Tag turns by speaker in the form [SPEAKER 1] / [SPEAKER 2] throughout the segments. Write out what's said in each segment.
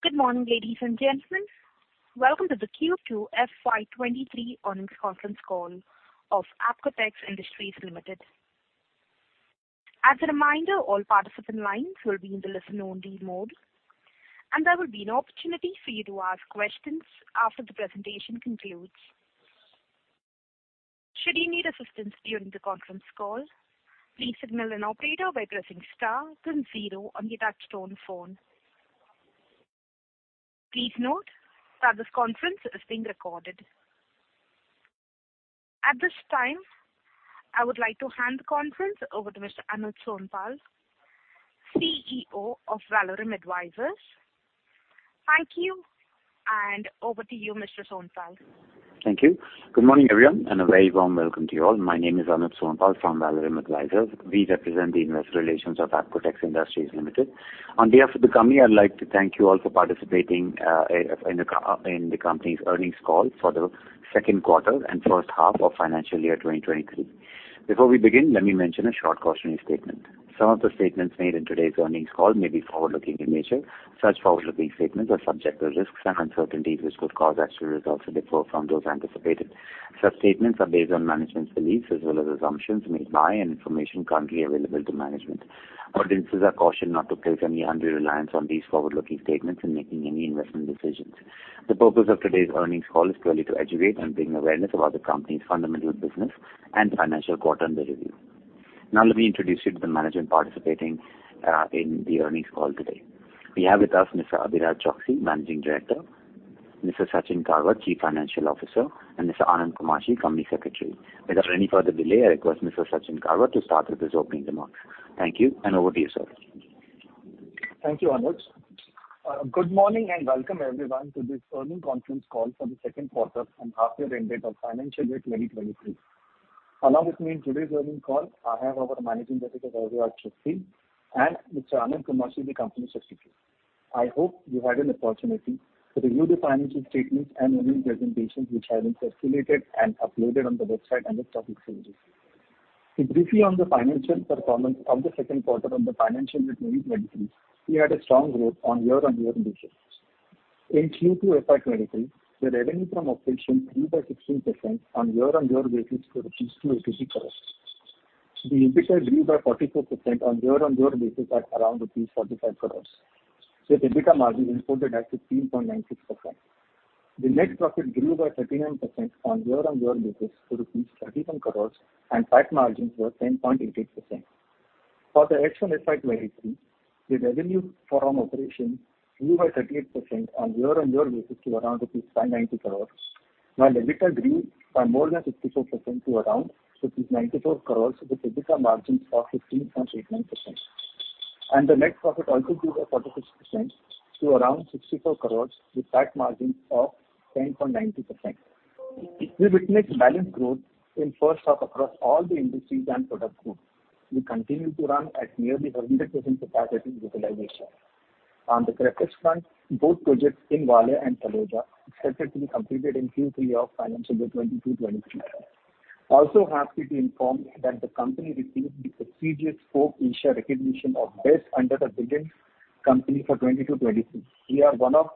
[SPEAKER 1] Good morning, ladies and gentlemen. Welcome to the Q2 FY23 earnings conference call of Apcotex Industries Limited. As a reminder, all participant lines will be in the listen-only mode, and there will be an opportunity for you to ask questions after the presentation concludes. Should you need assistance during the conference call, please signal an operator by pressing star then zero on your touchtone phone. Please note that this conference is being recorded. At this time, I would like to hand the conference over to Mr. Anuj Sonpal, CEO of Valorem Advisors. Thank you, and over to you, Mr. Sonpal.
[SPEAKER 2] Thank you. Good morning, everyone, and a very warm welcome to you all. My name is Anuj Sonpal from Valorem Advisors. We represent the investor relations of Apcotex Industries Limited. On behalf of the company, I'd like to thank you all for participating in the company's earnings call for the second quarter and first half of financial year 2023. Before we begin, let me mention a short cautionary statement. Some of the statements made in today's earnings call may be forward-looking in nature. Such forward-looking statements are subject to risks and uncertainties which could cause actual results to differ from those anticipated. Such statements are based on management's beliefs as well as assumptions made by and information currently available to management. Audiences are cautioned not to place any undue reliance on these forward-looking statements in making any investment decisions. The purpose of today's earnings call is purely to educate and bring awareness about the company's fundamental business and financial quarter under review. Now let me introduce you to the management participating in the earnings call today. We have with us Mr. Abhiraj Choksey, Managing Director, Mr. Sachin Karwa, Chief Financial Officer, and Mr. Anand Kumashi, Company Secretary. Without any further delay, I request Mr. Sachin Karwa to start with his opening remarks. Thank you, and over to you, sir.
[SPEAKER 3] Thank you, Anuj. Good morning and welcome everyone to this earnings conference call for the second quarter and half year ended of financial year 2023. Along with me in today's earnings call, I have our Managing Director, Abhiraj Choksey, and Mr. Anand Kumashi, the Company Secretary. I hope you had an opportunity to review the financial statements and earnings presentations which have been circulated and uploaded on the website under topic pages. To brief you on the financial performance of the second quarter of the financial year 2023, we had a strong growth on year-over-year basis. In Q2 FY23, the revenue from operations grew by 16% on year-over-year basis to INR 280 crores. The EBITDA grew by 44% on year-over-year basis at around 45 crores, with EBITDA margin improving at 16.96%. The net profit grew by 39% on year-over-year basis to rupees 37 crore, and PAT margins were 10.88%. For the H1 FY23, the revenue from operation grew by 38% on year-over-year basis to around 590 crore, while EBITDA grew by more than 64% to around 94 crore, with EBITDA margins of 15.89%. The net profit also grew by 46% to around 64 crore, with PAT margins of 10.90%. We witnessed balanced growth in first half across all the industries and product groups. We continue to run at nearly 100% capacity utilization. On the projects front, both projects in Valia and Taloja are expected to be completed in Q3 of financial year 2022-23. Also happy to inform you that the company received the prestigious Forbes Asia recognition of Best Under a Billion company for 2022-2023. We are one of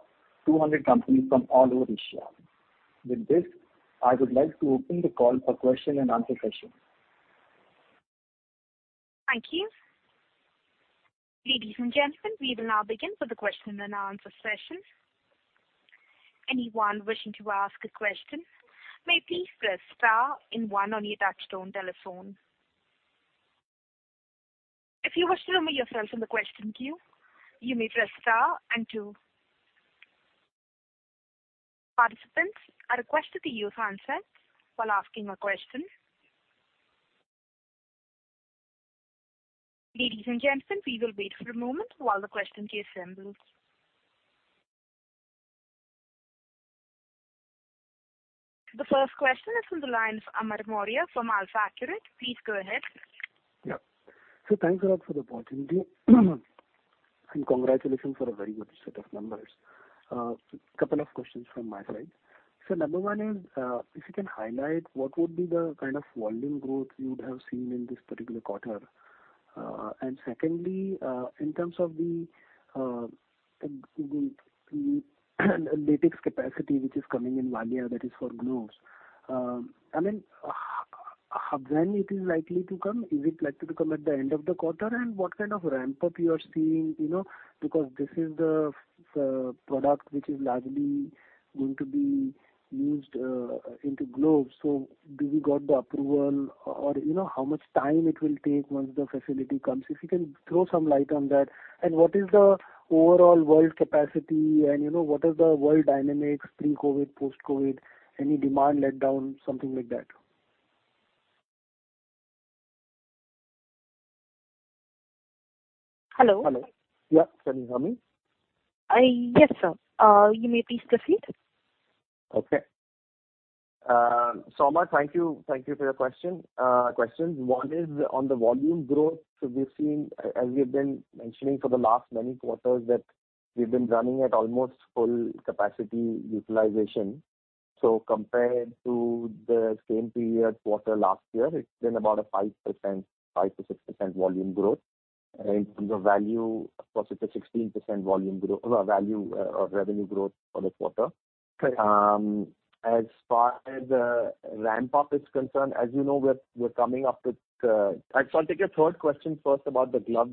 [SPEAKER 3] 200 companies from all over Asia. With this, I would like to open the call for question and answer session.
[SPEAKER 1] Thank you. Ladies and gentlemen, we will now begin with the question and answer session. Anyone wishing to ask a question may please press star and one on your touchtone telephone. If you wish to remove yourself from the question queue, you may press star and two. Participants are requested to use handsets while asking a question. Ladies and gentlemen, we will wait for a moment while the questions assemble. The first question is from the line of Amar Maurya from AlfAccurate Advisors. Please go ahead.
[SPEAKER 4] Yeah. Thanks a lot for the opportunity and congratulations for a very good set of numbers. Couple of questions from my side. Number one is, if you can highlight what would be the kind of volume growth you would have seen in this particular quarter. And secondly, in terms of the latex capacity which is coming in Valia, that is for gloves. I mean, how, when it is likely to come? Is it likely to come at the end of the quarter? And what kind of ramp up you are seeing, you know, because this is the product which is largely going to be used into gloves. So do we got the approval or, you know, how much time it will take once the facility comes? If you can throw some light on that. What is the overall world capacity and, you know, what is the world dynamics pre-COVID, post-COVID? Any demand letdown, something like that?
[SPEAKER 1] Hello?
[SPEAKER 4] Hello. Yeah. Can you hear me?
[SPEAKER 1] Yes, sir. You may please proceed.
[SPEAKER 5] Okay. Amar, thank you for your question, questions. One is on the volume growth. We've seen, as we have been mentioning for the last many quarters, that we've been running at almost full capacity utilization Compared to the same period quarter last year, it's been about a 5%-6% volume growth. In terms of value, of course, it's a 16% value or revenue growth for the quarter.
[SPEAKER 4] Okay.
[SPEAKER 5] As far as the ramp-up is concerned, as you know, I'll take your third question first about the glove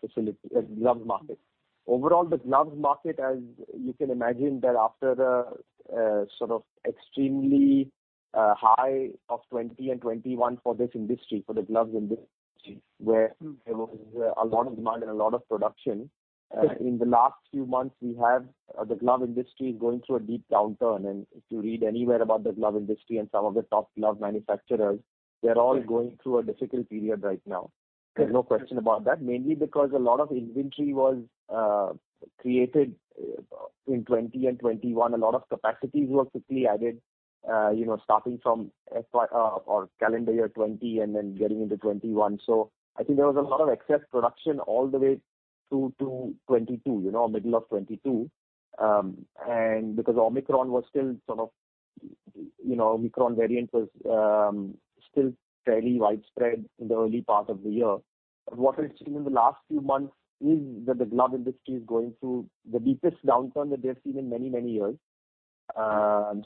[SPEAKER 5] facility, glove market. Overall, the gloves market, as you can imagine, that after the sort of extremely high of 2020 and 2021 for this industry, for the gloves industry, where there was a lot of demand and a lot of production.
[SPEAKER 4] Sure.
[SPEAKER 5] In the last few months, we have the glove industry is going through a deep downturn. If you read anywhere about the glove industry and some of the top glove manufacturers, they're all going through a difficult period right now.
[SPEAKER 4] Sure.
[SPEAKER 5] There's no question about that. Mainly because a lot of inventory was created in 2020 and 2021. A lot of capacities were quickly added, you know, starting from FY or calendar year 2020 and then getting into 2021. I think there was a lot of excess production all the way through to 2022, you know, middle of 2022. Because Omicron variant was still fairly widespread in the early part of the year. What we've seen in the last few months is that the glove industry is going through the deepest downturn that they've seen in many, many years.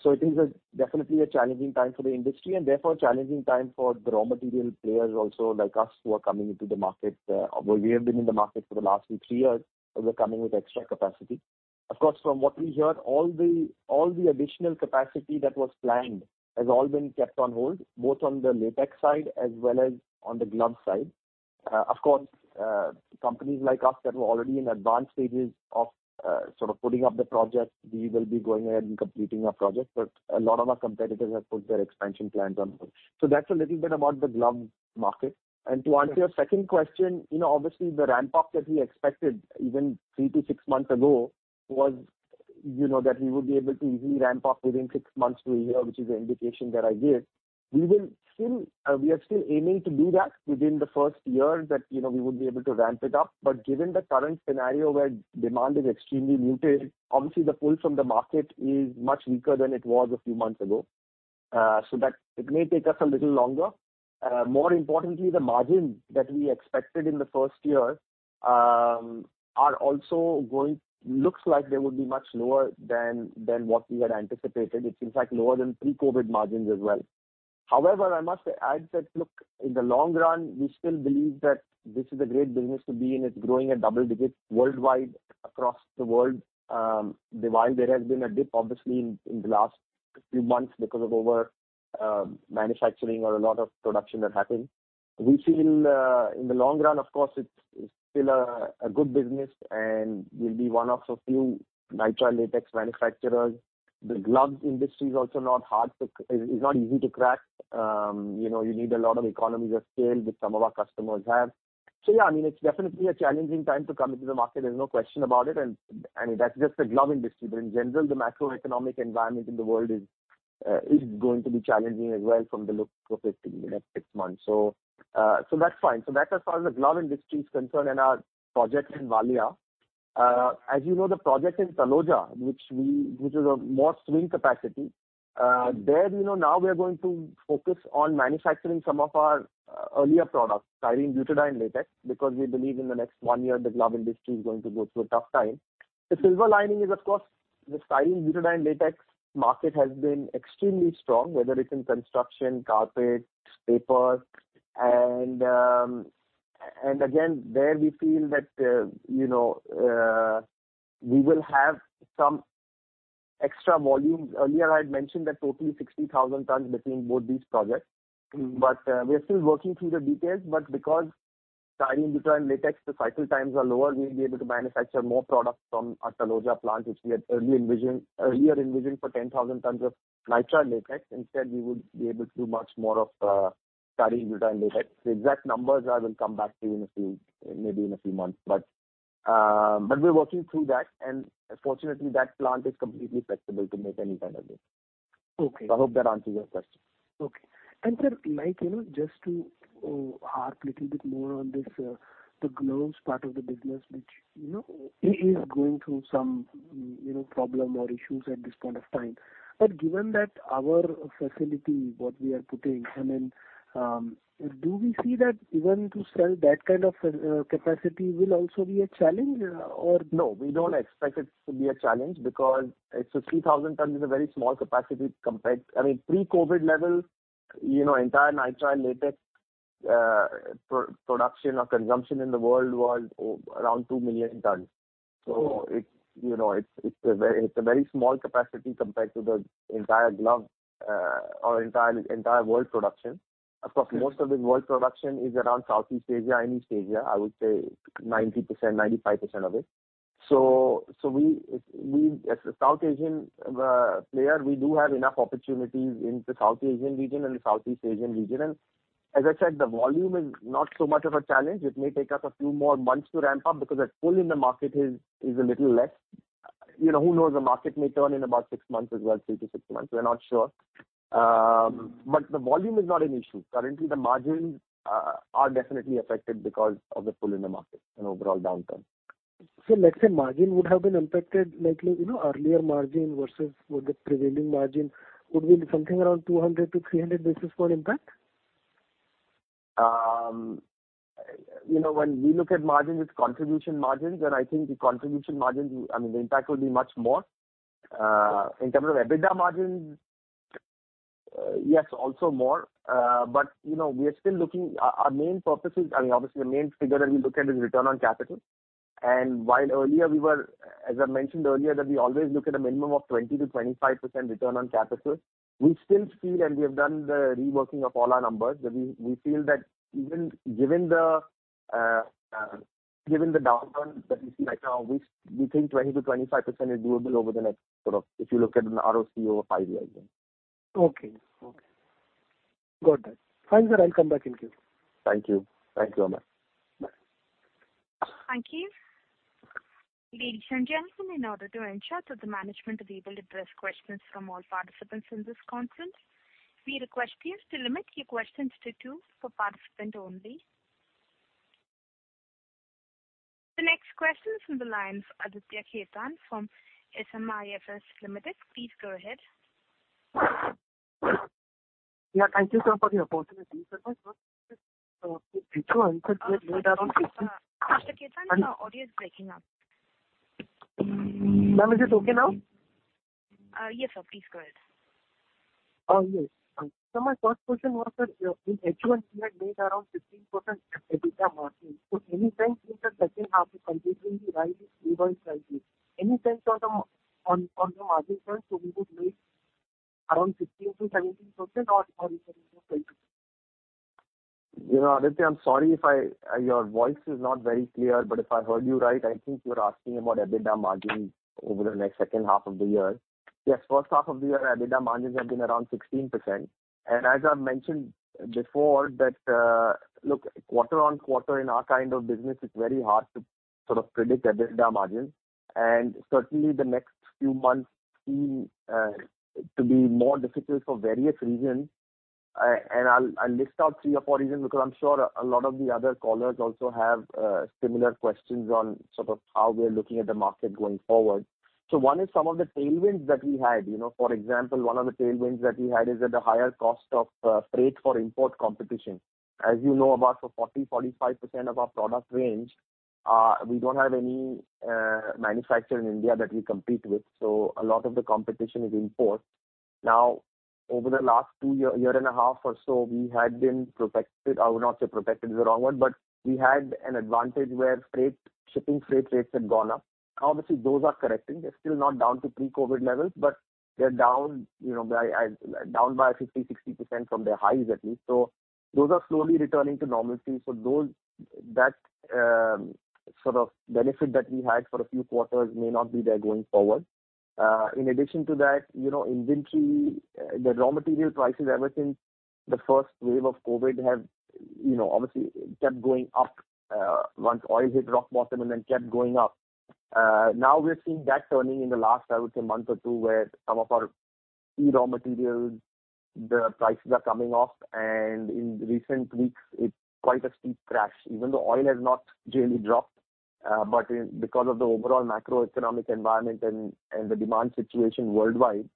[SPEAKER 5] It is definitely a challenging time for the industry and therefore a challenging time for the raw material players also like us who are coming into the market. Well, we have been in the market for the last 2-3 years, and we're coming with extra capacity. Of course, from what we heard, all the additional capacity that was planned has all been kept on hold, both on the latex side as well as on the glove side. Of course, companies like us that were already in advanced stages of sort of putting up the project, we will be going ahead and completing our project, but a lot of our competitors have put their expansion plans on hold. That's a little bit about the glove market.
[SPEAKER 4] Sure.
[SPEAKER 5] To answer your second question, you know, obviously the ramp-up that we expected even 3-6 months ago was, you know, that we would be able to easily ramp up within 6 months to a year, which is the indication that I gave. We are still aiming to do that within the first year that, you know, we would be able to ramp it up. Given the current scenario where demand is extremely muted, obviously the pull from the market is much weaker than it was a few months ago. That it may take us a little longer. More importantly, the margins that we expected in the first year are also going looks like they would be much lower than what we had anticipated. It's in fact lower than pre-COVID margins as well. However, I must add that, look, in the long run, we still believe that this is a great business to be in. It's growing at double digits worldwide across the world. While there has been a dip, obviously in the last few months because of over manufacturing or a lot of production that happened, we feel in the long run, of course, it's still a good business and we'll be one of so few Nitrile Latex manufacturers. The glove industry is also not easy to crack. You know, you need a lot of economies of scale, which some of our customers have. Yeah, I mean, it's definitely a challenging time to come into the market. There's no question about it. I mean, that's just the glove industry. In general, the macroeconomic environment in the world is going to be challenging as well from the looks of it in the next six months. That's fine. That as far as the glove industry is concerned and our project in Valia. As you know, the project in Taloja, which is a more swing capacity, there, you know, now we are going to focus on manufacturing some of our earlier products, Styrene Butadiene Latex, because we believe in the next one year the glove industry is going to go through a tough time. The silver lining is, of course, the Styrene Butadiene Latex market has been extremely strong, whether it's in construction, carpets, paper, and again, there we feel that, you know, we will have some extra volume. Earlier, I had mentioned that totally 60,000 tons between both these projects.
[SPEAKER 4] Mm-hmm.
[SPEAKER 5] We are still working through the details. Because Styrene Butadiene Latex, the cycle times are lower, we'll be able to manufacture more products from our Taloja plant, which we had earlier envisioned for 10,000 tons of Nitrile Latex. Instead, we would be able to do much more of Styrene Butadiene Latex. The exact numbers I will come back to you in a few, maybe in a few months. We're working through that. Fortunately, that plant is completely flexible to make any kind of latex.
[SPEAKER 4] Okay.
[SPEAKER 5] I hope that answers your question.
[SPEAKER 4] Okay. Sir, like, you know, just to harp little bit more on this, the gloves part of the business, which, you know, is going through some, you know, problem or issues at this point of time. Given that our facility, what we are putting in, do we see that even to sell that kind of capacity will also be a challenge or?
[SPEAKER 5] No, we don't expect it to be a challenge because it's 60,000 tons is a very small capacity compared. I mean, pre-COVID levels, you know, entire Nitrile Latex production or consumption in the world was around 2 million tons.
[SPEAKER 4] Oh.
[SPEAKER 5] You know, it's a very small capacity compared to the entire glove or entire world production.
[SPEAKER 4] Okay.
[SPEAKER 5] Of course, most of the world production is around Southeast Asia and East Asia, I would say 90%, 95% of it. We as a South Asian player, we do have enough opportunities in the South Asian region and Southeast Asian region. As I said, the volume is not so much of a challenge. It may take us a few more months to ramp up because the pull in the market is a little less. You know, who knows, the market may turn in about 6 months as well, 3-6 months. We're not sure. The volume is not an issue. Currently, the margins are definitely affected because of the pull in the market and overall downturn.
[SPEAKER 6] Let's say margin would have been impacted likely, you know, earlier margin versus what the prevailing margin would be something around 200-300 basis points impact?
[SPEAKER 5] You know, when we look at margins, it's contribution margins, and I think the contribution margins, I mean, the impact will be much more. In terms of EBITDA margins, yes, also more. You know we are still looking. Our main purpose is, I mean, obviously the main figure that we look at is return on capital. While earlier we were, as I mentioned earlier, that we always look at a minimum of 20%-25% return on capital. We still feel, and we have done the reworking of all our numbers, that we feel that even given the downturn that we see right now, we think 20%-25% is doable over the next sort of if you look at an ROCE of five years in.
[SPEAKER 7] Okay. Got that. Fine, sir, I'll come back in queue.
[SPEAKER 5] Thank you. Thank you, Amar Maurya. Bye.
[SPEAKER 1] Thank you. Ladies and gentlemen, in order to ensure that the management will be able to address questions from all participants in this conference, we request you to limit your questions to two per participant only. The next question is from the line of Aditya Khetan from SMIFS Limited. Please go ahead.
[SPEAKER 8] Yeah, thank you, sir, for the opportunity. My first
[SPEAKER 1] Mr. Khetan, your audio is breaking up.
[SPEAKER 8] Ma'am, is this okay now?
[SPEAKER 1] Yes, sir. Please go ahead.
[SPEAKER 8] Yes. My first question was that, in H1 we had made around 16% EBITDA margin. Any sense in the second half considering the rising raw material prices? Any sense on the margin front so we would make around 16%-17% or it will be more like?
[SPEAKER 5] You know, Aditya, I'm sorry if I, your voice is not very clear, but if I heard you right, I think you're asking about EBITDA margins over the next second half of the year. Yes, first half of the year, EBITDA margins have been around 16%. As I've mentioned before that, look, quarter on quarter in our kind of business, it's very hard to sort of predict EBITDA margins. Certainly the next few months seem to be more difficult for various reasons. I'll list out 3 or 4 reasons because I'm sure a lot of the other callers also have similar questions on sort of how we're looking at the market going forward. One is some of the tailwinds that we had. You know, for example, one of the tailwinds that we had is at the higher cost of freight for import competition. As you know, about 40-45% of our product range, we don't have any manufacturer in India that we compete with, so a lot of the competition is import. Now, over the last two years, year and a half or so, we had been protected. I would not say protected is the wrong one, but we had an advantage where freight, shipping freight rates had gone up. Obviously, those are correcting. They're still not down to pre-COVID levels, but they're down, you know, by down by 50-60% from their highs at least. So those are slowly returning to normalcy. So that sort of benefit that we had for a few quarters may not be there going forward. In addition to that, you know, inventory, the raw material prices ever since the first wave of COVID have, you know, obviously kept going up, once oil hit rock bottom and then kept going up. Now we're seeing that turning in the last, I would say, month or two, where some of our key raw materials, the prices are coming off, and in recent weeks it's quite a steep crash. Even though oil has not generally dropped, but because of the overall macroeconomic environment and the demand situation worldwide,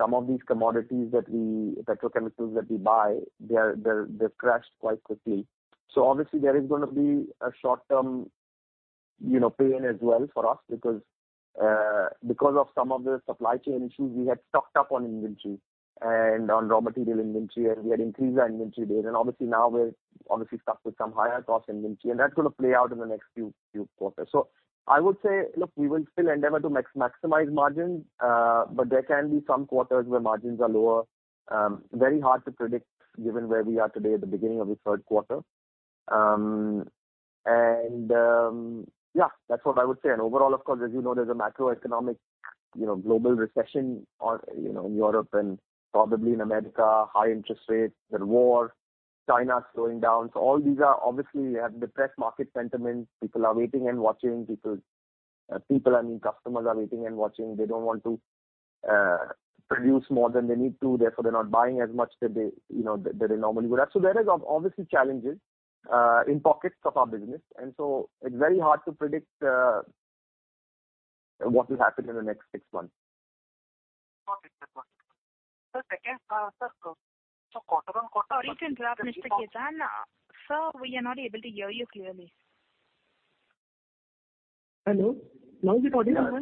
[SPEAKER 5] some of these commodities, petrochemicals that we buy, they've crashed quite quickly. Obviously there is gonna be a short-term, you know, pain as well for us because of some of the supply chain issues we had stocked up on inventory and on raw material inventory, and we had increased our inventory there. Obviously now we're obviously stuck with some higher cost inventory, and that's gonna play out in the next few quarters. I would say, look, we will still endeavor to maximize margins, but there can be some quarters where margins are lower. Very hard to predict given where we are today at the beginning of the third quarter. Yeah, that's what I would say. Overall, of course, as you know, there's a macroeconomic, you know, global recession or, you know, in Europe and probably in America, high interest rates, the war, China slowing down. All these have obviously depressed market sentiments. People are waiting and watching. People, I mean customers are waiting and watching. They don't want to produce more than they need to, therefore they're not buying as much that they, you know, that they normally would have. There is obviously challenges in pockets of our business, and so it's very hard to predict what will happen in the next six months.
[SPEAKER 8] Okay. Sir, quarter-over-quarter.
[SPEAKER 1] Sorry to interrupt, Mr. Khetan. Sir, we are not able to hear you clearly.
[SPEAKER 8] Hello? Now is it audible now?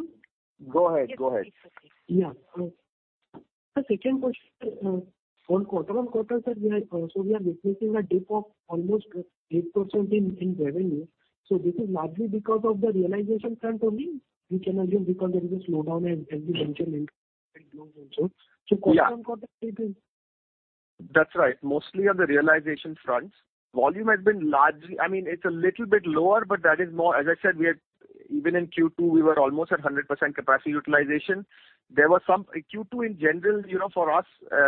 [SPEAKER 5] Go ahead.
[SPEAKER 1] Yes. Please proceed.
[SPEAKER 8] Second question on quarter-on-quarter, sir, we are witnessing a dip of almost 8% in revenue. This is largely because of the realization front only, we can assume because there is a slowdown, as you mentioned, in inventory builds also.
[SPEAKER 5] Yeah.
[SPEAKER 8] So quarter on quarter it is-
[SPEAKER 5] That's right. Mostly on the realization fronts. Volume has been largely lower, I mean, it's a little bit lower, but that is more. As I said, we are, even in Q2 we were almost at 100% capacity utilization. There were some Q2 in general, you know, for us,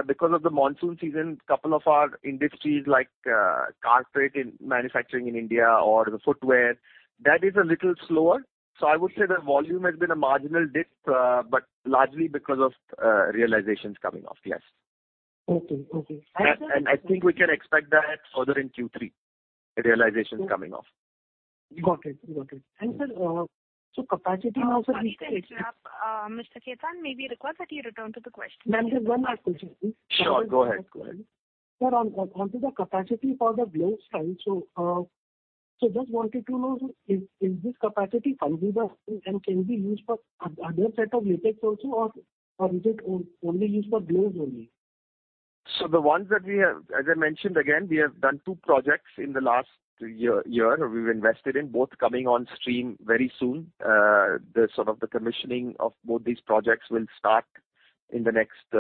[SPEAKER 5] because of the monsoon season, couple of our industries like, carpet in manufacturing in India or the footwear, that is a little slower. I would say the volume has been a marginal dip, but largely because of realizations coming off. Yes.
[SPEAKER 9] Okay, okay.
[SPEAKER 5] I think we can expect that further in Q3, the realization coming off.
[SPEAKER 9] Got it. Sir, capacity now
[SPEAKER 1] I think, Mr. Khetan, maybe request that you return to the question.
[SPEAKER 9] Just one last question, please.
[SPEAKER 5] Sure, go ahead.
[SPEAKER 9] Sir, on to the capacity for the gloves side. Just wanted to know, is this capacity flexible and can be used for other set of latex also or is it only used for gloves only?
[SPEAKER 5] The ones that we have, as I mentioned again, we have done two projects in the last year we've invested in, both coming on stream very soon. The sort of commissioning of both these projects will start in the next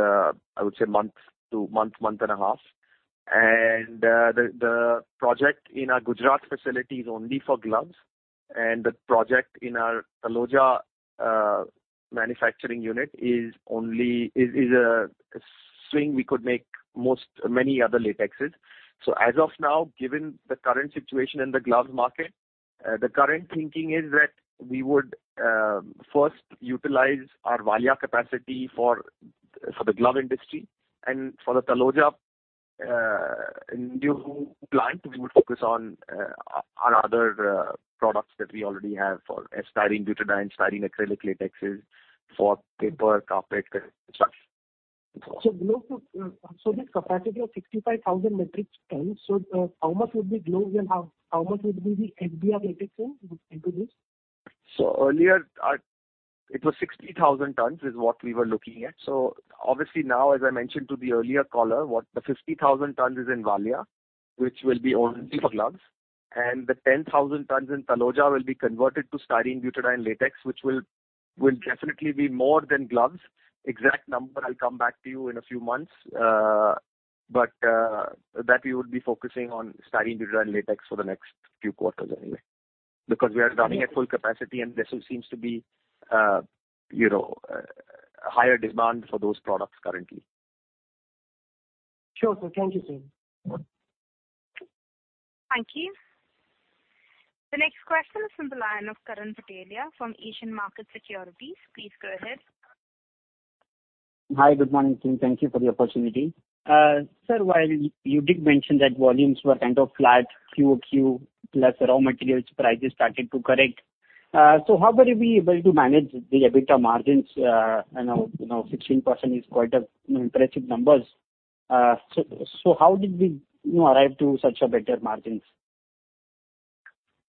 [SPEAKER 5] month to a month and a half. The project in our Gujarat facility is only for gloves, and the project in our Taloja manufacturing unit is a swing we could make many other latexes. As of now, given the current situation in the gloves market, the current thinking is that we would first utilize our Valia capacity for the glove industry and for the Taloja new plant, we would focus on our other products that we already have for styrene butadiene, styrene acrylic latexes for paper, carpet and such.
[SPEAKER 9] This capacity of 65,000 metric tons, how much would be gloves and how much would be the SBR latex into this?
[SPEAKER 5] Earlier, it was 60,000 tons is what we were looking at. Obviously now, as I mentioned to the earlier caller, what the 50,000 tons is in Valia, which will be only for gloves, and the 10,000 tons in Taloja will be converted to Styrene Butadiene Latex, which will definitely be more than gloves. Exact number, I'll come back to you in a few months. That we would be focusing on Styrene Butadiene Latex for the next few quarters anyway. Because we are running at full capacity and there seems to be, you know, higher demand for those products currently.
[SPEAKER 9] Sure, sir. Thank you, sir.
[SPEAKER 1] Thank you. The next question is from the line of Karan Patelia from Asian Markets Securities. Please go ahead.
[SPEAKER 10] Hi, good morning, team. Thank you for the opportunity. Sir, while you did mention that volumes were kind of flat QOQ, plus raw materials prices started to correct. How were you able to manage the EBITDA margins? You know, 16% is quite a, you know, impressive numbers. How did we, you know, arrive at such better margins?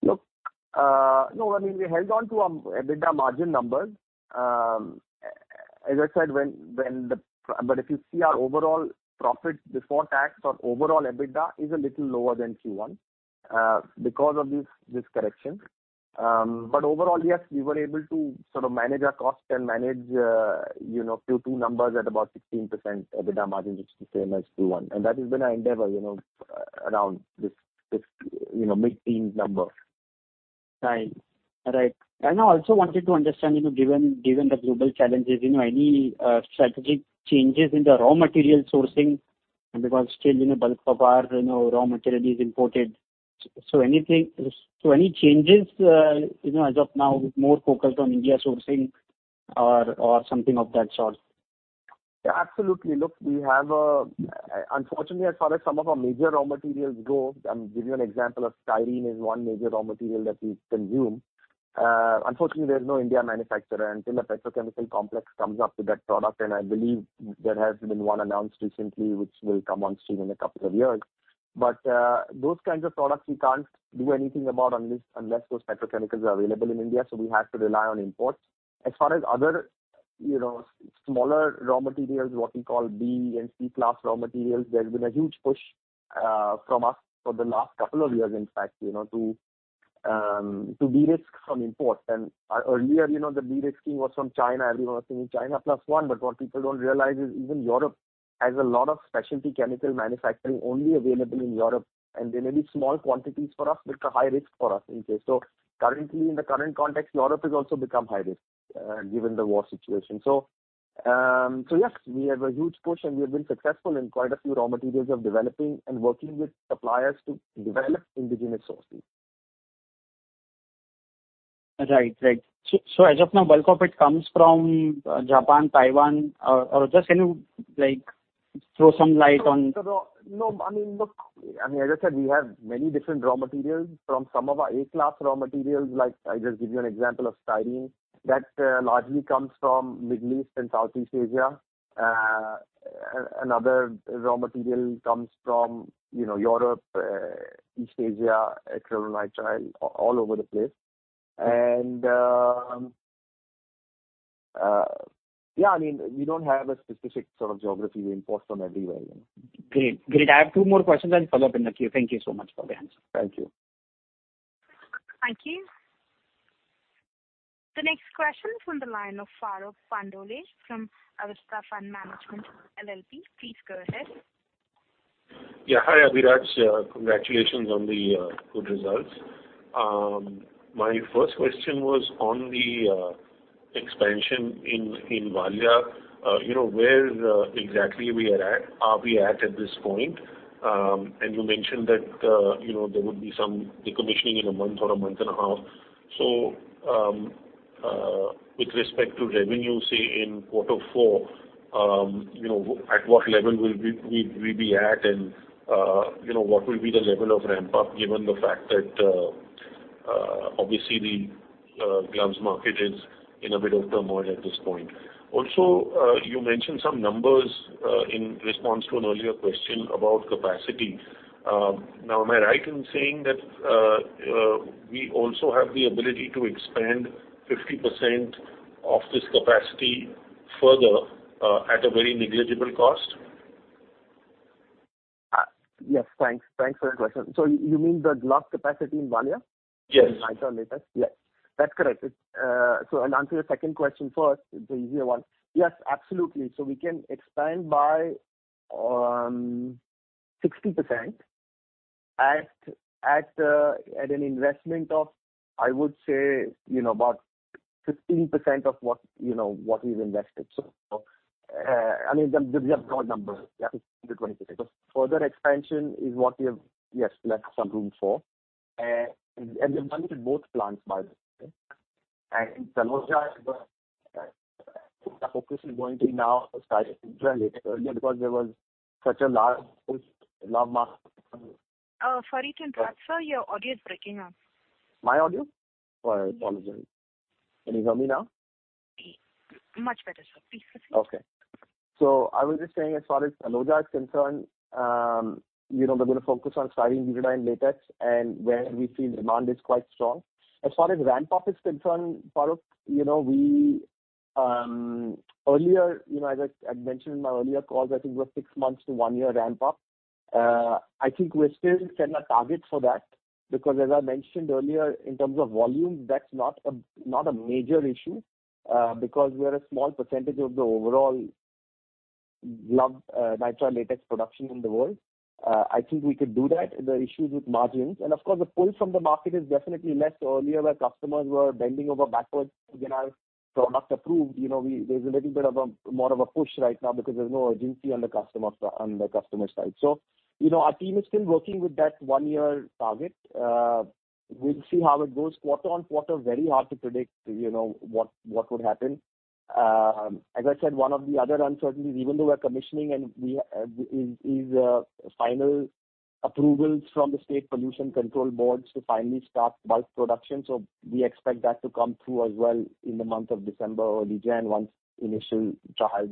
[SPEAKER 5] Look, no, I mean, we held on to our EBITDA margin numbers. As I said, if you see our overall profit before tax or overall EBITDA is a little lower than Q1, because of this correction. Overall, yes, we were able to sort of manage our cost and manage, you know, Q2 numbers at about 16% EBITDA margin, which is the same as Q1. That has been our endeavor, you know, around this, you know, mid-teens number.
[SPEAKER 10] Right. I also wanted to understand, you know, given the global challenges, you know, any strategic changes in the raw material sourcing because still, you know, bulk of our, you know, raw material is imported. Any changes, you know, as of now more focused on India sourcing or something of that sort?
[SPEAKER 5] Yeah, absolutely. Look, Unfortunately, as far as some of our major raw materials go, I'll give you an example of styrene is one major raw material that we consume. Unfortunately, there's no Indian manufacturer until the petrochemical complex comes up with that product. I believe there has been one announced recently which will come on stream in a couple of years. Those kinds of products we can't do anything about unless those petrochemicals are available in India, so we have to rely on imports. As far as other, you know, smaller raw materials, what we call B and C class raw materials, there's been a huge push from us for the last couple of years, in fact, you know, to de-risk from imports. Earlier, you know, the de-risking was from China. Everyone was saying China plus one. What people don't realize is even Europe has a lot of specialty chemical manufacturing only available in Europe, and they may be small quantities for us, but high risk for us in case. Currently in the current context, Europe has also become high risk, given the war situation. Yes, we have a huge push, and we have been successful in quite a few raw materials of developing and working with suppliers to develop indigenous sourcing.
[SPEAKER 10] Right. As of now, bulk of it comes from Japan, Taiwan, or just can you like throw some light on-
[SPEAKER 5] No, I mean, look, I mean, as I said, we have many different raw materials from some of our A class raw materials. Like, I just give you an example of styrene that largely comes from Middle East and Southeast Asia. Another raw material comes from, you know, Europe, East Asia, acrylonitrile, all over the place. Yeah, I mean, we don't have a specific sort of geography. We import from everywhere, you know.
[SPEAKER 10] Great. I have two more questions. I'll follow up in the Q. Thank you so much for the answer.
[SPEAKER 5] Thank you.
[SPEAKER 1] Thank you. The next question is from the line of Farooque Pandolage from Avista Fund Management LLP. Please go ahead.
[SPEAKER 9] Hi, Abhiraj. Congratulations on the good results. My first question was on the expansion in Valia. You know, where exactly are we at this point? You mentioned that there would be some decommissioning in a month or a month and a half. With respect to revenue, say, in quarter four, you know, at what level will we be at, and you know, what will be the level of ramp-up given the fact that obviously the gloves market is in a bit of turmoil at this point? Also, you mentioned some numbers in response to an earlier question about capacity. Now am I right in saying that we also have the ability to expand 50% of this capacity further at a very negligible cost?
[SPEAKER 5] Yes. Thanks. Thanks for the question. You mean the glove capacity in Valia?
[SPEAKER 9] Yes.
[SPEAKER 5] Nitrile Latex. Yes, that's correct. It's so I'll answer your second question first, the easier one. Yes, absolutely. We can expand by 60% at an investment of, I would say, you know, about 15% of what we've invested. I mean, these are broad numbers, yeah, 15%-20%. Further expansion is what we have, yes, left some room for. We've done it at both plants by the way. In Taloja, our focus is going to be now styrene butadiene because there was such a large push, large market.
[SPEAKER 1] Sorry to interrupt, sir. Your audio is breaking up.
[SPEAKER 5] My audio? Sorry. Apologize. Can you hear me now?
[SPEAKER 1] Much better, sir. Please proceed.
[SPEAKER 5] Okay. I was just saying as far as Taloja is concerned, you know, we're gonna focus on Styrene Butadiene Latex and where we see demand is quite strong. As far as ramp-up is concerned, Farooq, you know, we earlier, you know, as I'd mentioned in my earlier calls, I think it was 6 months to 1 year ramp-up. I think we're still kinda targeting that because as I mentioned earlier, in terms of volume, that's not a major issue, because we are a small percentage of the overall glove Nitrile Latex production in the world. I think we could do that. The issue is with margins. Of course, the pull from the market is definitely less than earlier where customers were bending over backwards to get our product approved. You know, we. There's a little bit more of a push right now because there's no urgency on the customer side. You know, our team is still working with that one-year target. We'll see how it goes. Quarter-over-quarter, very hard to predict, you know, what would happen. As I said, one of the other uncertainties, even though we're commissioning final approvals from the State Pollution Control Boards to finally start bulk production. We expect that to come through as well in the month of December, early January, once initial trials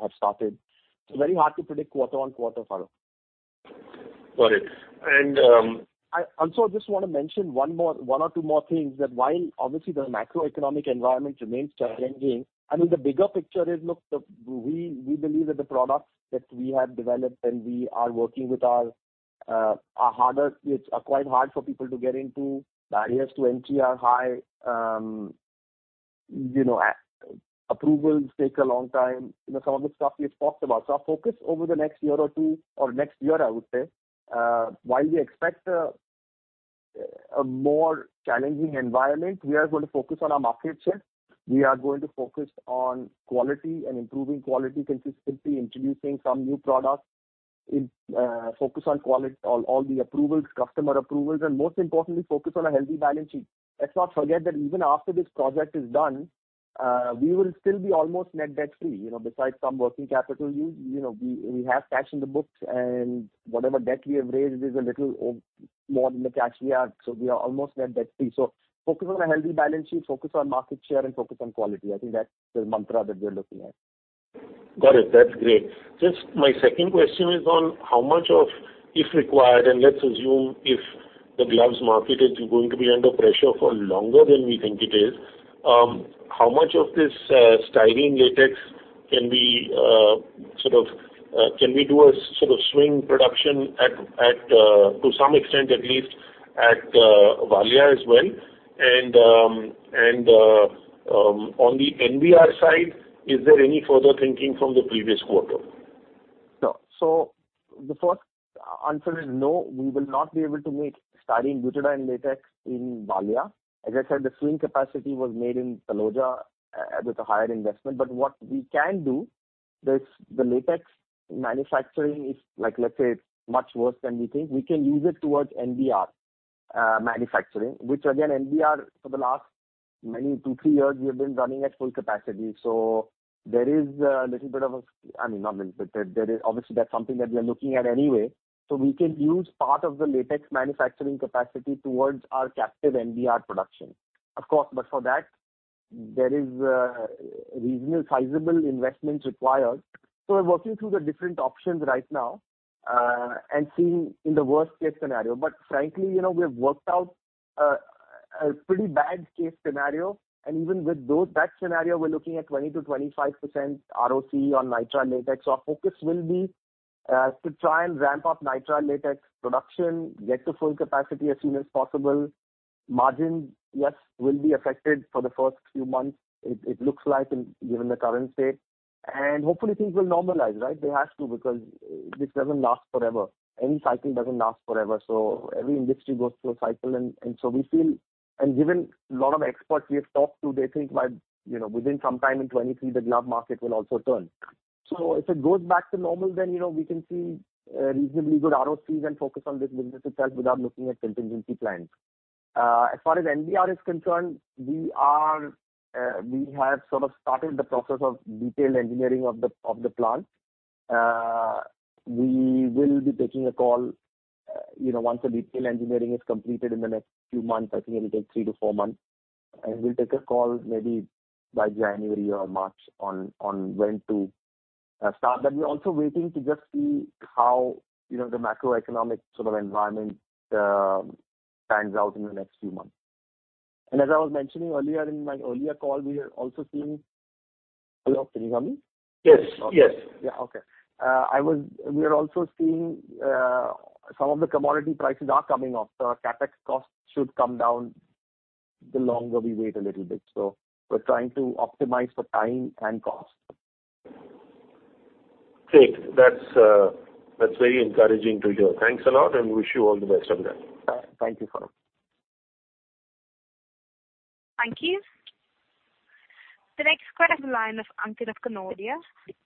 [SPEAKER 5] have started. Very hard to predict quarter-over-quarter, Farooq.
[SPEAKER 9] Got it.
[SPEAKER 5] I also just wanna mention one or two more things that while obviously the macroeconomic environment remains challenging. I mean, the bigger picture is, look, we believe that the products that we have developed and we are working with our are harder. It's quite hard for people to get into. Barriers to entry are high. You know, approvals take a long time. You know, some of the stuff we have talked about. Our focus over the next year or two, or next year I would say, while we expect a more challenging environment, we are gonna focus on our market share. We are going to focus on quality and improving quality consistency, introducing some new products. Focus on all the approvals, customer approvals, and most importantly, focus on a healthy balance sheet. Let's not forget that even after this project is done, we will still be almost net debt free. You know, besides some working capital use, you know, we have cash in the books and whatever debt we have raised is a little or more than the cash we have. We are almost net debt free. Focus on a healthy balance sheet, focus on market share, and focus on quality. I think that's the mantra that we're looking at.
[SPEAKER 9] Got it. That's great. Just my second question is on how much of, if required, and let's assume if the gloves market is going to be under pressure for longer than we think it is, how much of this styrene latex can we sort of do a sort of swing production at Valia as well? On the NBR side, is there any further thinking from the previous quarter?
[SPEAKER 5] No. The first answer is no, we will not be able to make Styrene Butadiene Latex in Valia. As I said, the swing capacity was made in Taloja with a higher investment. What we can do, the latex manufacturing is like, let's say, much worse than we think. We can use it towards NBR manufacturing, which again, NBR for the last many 2, 3 years, we have been running at full capacity. There is a little bit of a. I mean, not little bit. Obviously, that's something that we are looking at anyway. We can use part of the latex manufacturing capacity towards our captive NBR production. Of course, for that, there is reasonable sizable investments required. We're working through the different options right now and seeing in the worst-case scenario. Frankly, you know, we have worked out a pretty worst-case scenario, and even with that scenario, we're looking at 20%-25% ROC on Nitrile Latex. Our focus will be to try and ramp up Nitrile Latex production, get to full capacity as soon as possible. Margins, yes, will be affected for the first few months. It looks like, given the current state. Hopefully things will normalize, right? They have to because this doesn't last forever. Any cycling doesn't last forever. Every industry goes through a cycle and so we feel. Given a lot of experts we have talked to, they think by you know within some time in 2023, the glove market will also turn. If it goes back to normal, then you know we can see reasonably good ROCs and focus on this business itself without looking at contingency plans. As far as NBR is concerned, we have sort of started the process of detailed engineering of the plant. We will be taking a call you know once the detailed engineering is completed in the next few months. I think it'll take 3-4 months, and we'll take a call maybe by January or March on when to start. But we're also waiting to just see how you know the macroeconomic sort of environment pans out in the next few months. as I was mentioning earlier in my earlier call, we are also seeing. Hello, Farooq Pandolage?
[SPEAKER 9] Yes. Yes.
[SPEAKER 5] Yeah. Okay. We are also seeing some of the commodity prices are coming up. The CapEx costs should come down the longer we wait a little bit. We're trying to optimize for time and cost.
[SPEAKER 9] Great. That's very encouraging to hear. Thanks a lot, and wish you all the best on that.
[SPEAKER 5] Thank you, sir.
[SPEAKER 1] Thank you. The next part of the line of Ankit Kanodia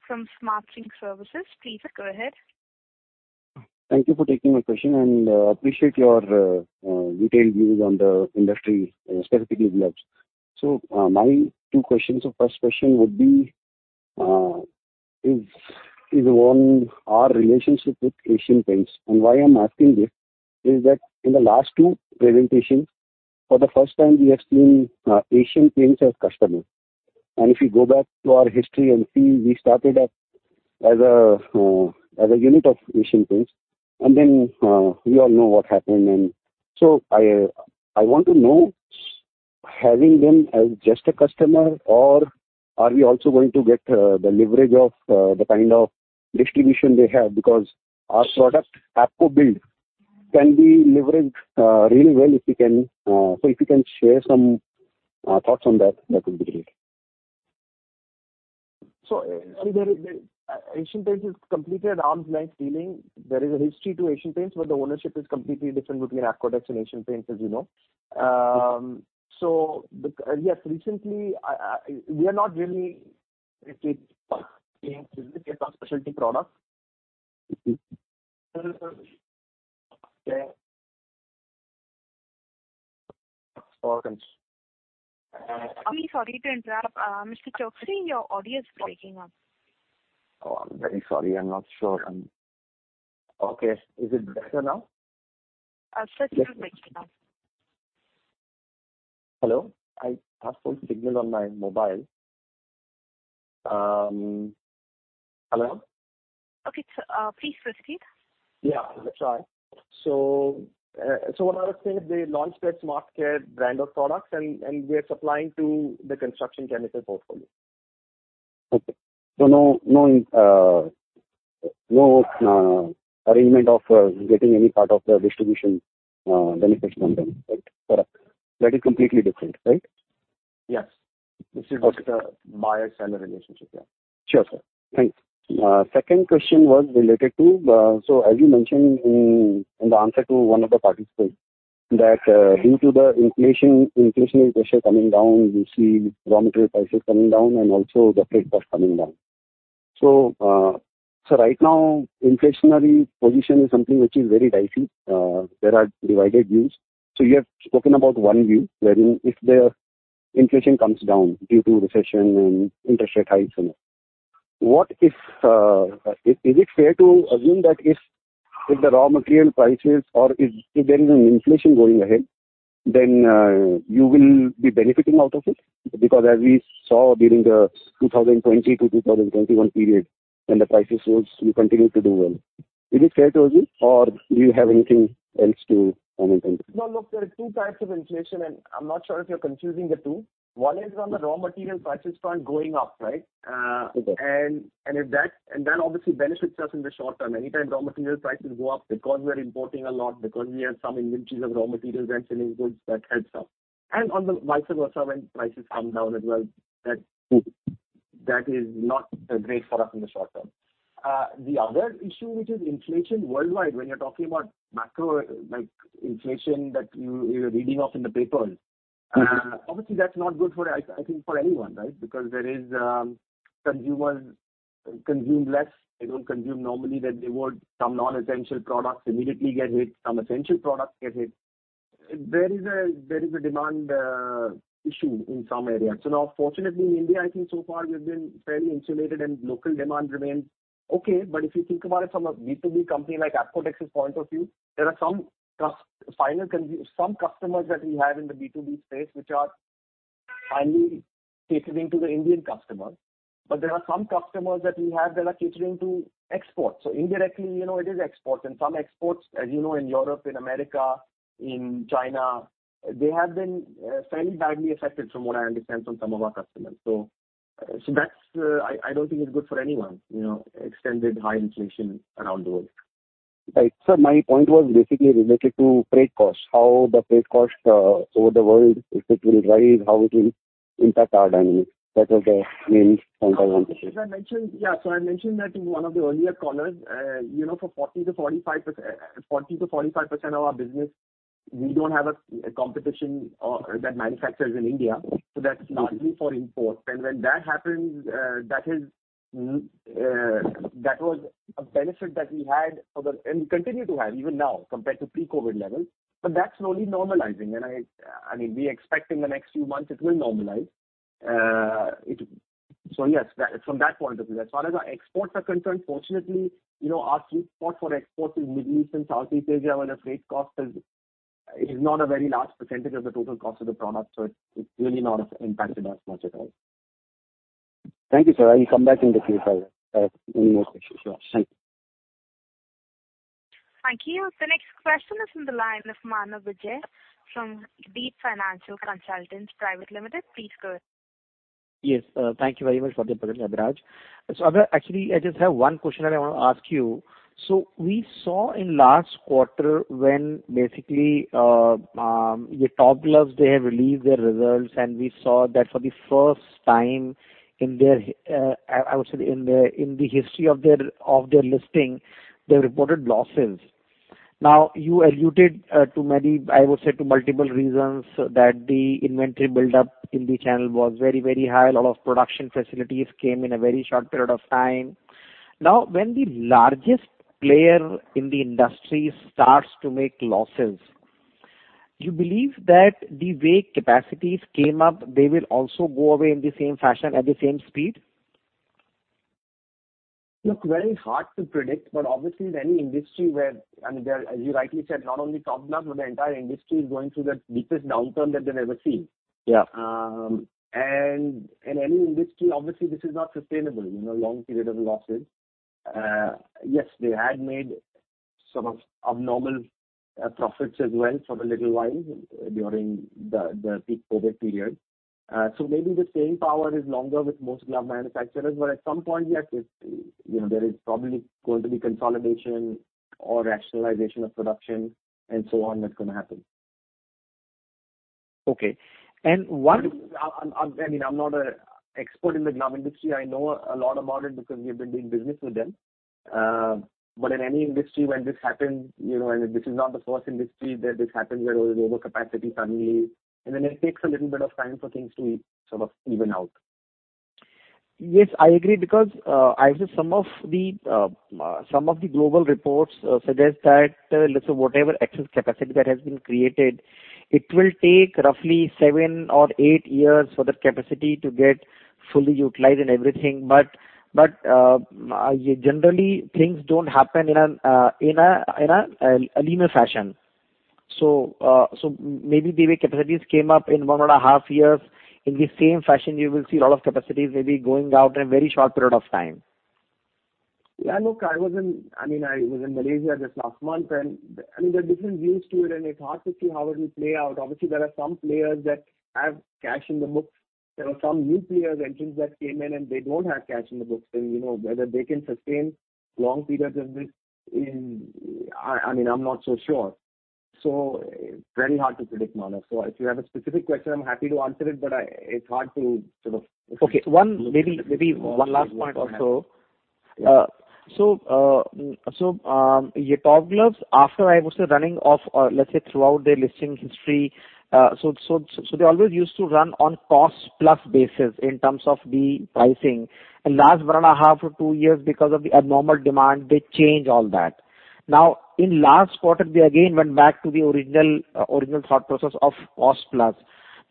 [SPEAKER 1] from Smart Sync Services. Please go ahead.
[SPEAKER 11] Thank you for taking my question, and appreciate your detailed views on the industry, specifically gloves. My two questions. First question would be, is on our relationship with Asian Paints. Why I'm asking this is that in the last two presentations, for the first time we have seen Asian Paints as customer. If you go back to our history and see, we started up as a unit of Asian Paints, and then we all know what happened. I want to know, having them as just a customer or are we also going to get the leverage of the kind of distribution they have. Because our product, ApcoBuild, can be leveraged really well if we can. If you can share some thoughts on that would be great.
[SPEAKER 5] Asian Paints is completely at arm's length dealing. There is a history to Asian Paints, but the ownership is completely different between Apcotex and Asian Paints, as you know. Recently, we are not really with Asian Paints; we make some specialty products.
[SPEAKER 11] Okay. Sorry.
[SPEAKER 1] I'm really sorry to interrupt. Mr. Choksey, your audio is breaking up.
[SPEAKER 11] Oh, I'm very sorry. I'm not sure.
[SPEAKER 5] Okay. Is it better now?
[SPEAKER 1] Slightly better now.
[SPEAKER 5] Hello? I have full signal on my mobile. Hello?
[SPEAKER 1] Okay, sir. Please proceed.
[SPEAKER 5] Yeah, I'll try. What I was saying, they launched their SmartCare brand of products and we are supplying to the construction chemical portfolio.
[SPEAKER 11] Okay. No arrangement of getting any part of the distribution benefits from them. Correct? Correct. That is completely different, right?
[SPEAKER 5] Yes.
[SPEAKER 11] Okay.
[SPEAKER 5] This is just a buyer-seller relationship. Yeah.
[SPEAKER 11] Sure, sir. Thanks. Second question was related to, so as you mentioned in the answer to one of the participants that, due to the inflation, inflationary pressure coming down, you see raw material prices coming down and also the freight cost coming down. Right now inflationary position is something which is very dicey. There are divided views. You have spoken about one view wherein if the inflation comes down due to recession and interest rate hikes and all. What if? Is it fair to assume that if the raw material prices or if there is an inflation going ahead, then, you will be benefiting out of it? Because as we saw during the 2020 to 2021 period, when the prices rose, you continued to do well. Is it fair to assume or do you have anything else to comment on this?
[SPEAKER 5] No, look, there are two types of inflation, and I'm not sure if you're confusing the two. One is on the raw material prices front going up, right?
[SPEAKER 11] Okay.
[SPEAKER 5] That obviously benefits us in the short term. Anytime raw material prices go up because we are importing a lot, because we have some inventories of raw materials and finished goods, that helps us. On the vice versa, when prices come down as well, that is not great for us in the short term. The other issue which is inflation worldwide, when you're talking about macro, like inflation that you're reading about in the papers.
[SPEAKER 11] Okay.
[SPEAKER 5] Obviously that's not good for anyone, I think, right? Because consumers consume less. They don't consume normally that they would. Some non-essential products immediately get hit, some essential products get hit. There is a demand issue in some areas. Now fortunately in India, I think so far we've been fairly insulated and local demand remains okay. If you think about it from a B2B company like Apcotex's point of view, there are some customers that we have in the B2B space which are highly catering to the Indian customers. There are some customers that we have that are catering to exports. Indirectly, you know, it is exports. Some exports, as you know, in Europe, in America, in China, they have been fairly badly affected from what I understand from some of our customers. That's. I don't think it's good for anyone, you know, extended high inflation around the world.
[SPEAKER 11] Right. Sir, my point was basically related to freight costs. How the freight costs over the world, if it will rise, how it will impact our earnings. That was the main point I wanted to say.
[SPEAKER 5] I mentioned that in one of the earlier calls, you know, for 40%-45% of our business we don't have a competitor that manufactures in India, so that's largely for import. When that happens, that was a benefit that we had. We continue to have even now compared to pre-COVID levels. That's slowly normalizing, and I mean, we expect in the next few months it will normalize. Yes, from that point of view. As far as our exports are concerned, fortunately, you know, our sweet spot for export is Middle East and Southeast Asia, where the freight cost is not a very large percentage of the total cost of the product, so it's really not impacted us much at all.
[SPEAKER 12] Thank you, sir. I will come back in the future, any more questions for you. Thank you.
[SPEAKER 1] Thank you. The next question is from the line of Manav Vijay from Deep Financial Consultants Pvt. Ltd. Please go ahead.
[SPEAKER 12] Yes, thank you very much for the opportunity, Abhiraj. Abhiraj, actually, I just have one question that I wanna ask you. We saw in last quarter when basically the Top Glove, they have released their results, and we saw that for the first time in their, I would say in the history of their listing, they reported losses. Now, you alluded to many, I would say to multiple reasons that the inventory buildup in the channel was very, very high. A lot of production facilities came in a very short period of time. Now, when the largest player in the industry starts to make losses, do you believe that the way capacities came up, they will also go away in the same fashion at the same speed?
[SPEAKER 5] Look, very hard to predict, but obviously any industry where, I mean, there, as you rightly said, not only Top Glove but the entire industry is going through the deepest downturn that they've ever seen.
[SPEAKER 12] Yeah.
[SPEAKER 5] In any industry, obviously this is not sustainable, you know, long period of losses. Yes, they had made some abnormal profits as well for a little while during the peak COVID period. Maybe the staying power is longer with most glove manufacturers, but at some point, yeah, you know, there is probably going to be consolidation or rationalization of production and so on that's gonna happen.
[SPEAKER 12] Okay.
[SPEAKER 5] I mean, I'm not an expert in the glove industry. I know a lot about it because we've been doing business with them. In any industry when this happens, you know, and this is not the first industry that this happens where there's overcapacity suddenly, and then it takes a little bit of time for things to sort of even out.
[SPEAKER 12] Yes, I agree because I see some of the global reports suggest that, let's say, whatever excess capacity that has been created, it will take roughly seven or eight years for that capacity to get fully utilized and everything. Generally things don't happen in a linear fashion. Maybe the way capacities came up in one and a half years, in the same fashion you will see a lot of capacities maybe going out in a very short period of time.
[SPEAKER 5] Yeah, look, I was in Malaysia just last month and, I mean, there are different views to it, and it's hard to see how it will play out. Obviously, there are some players that have cash in the books. There are some new players, entrants that came in and they don't have cash in the books, and, you know, whether they can sustain long periods of this. I mean, I'm not so sure. Very hard to predict, Manav. If you have a specific question, I'm happy to answer it, but it's hard to sort of.
[SPEAKER 12] Okay. One, maybe one last point or so.
[SPEAKER 5] Yeah.
[SPEAKER 12] Top Glove, after I would say running up, let's say throughout their listing history, so they always used to run on cost-plus basis in terms of the pricing. In last 1.5-2 years because of the abnormal demand, they changed all that. Now, in last quarter they again went back to the original thought process of cost-plus.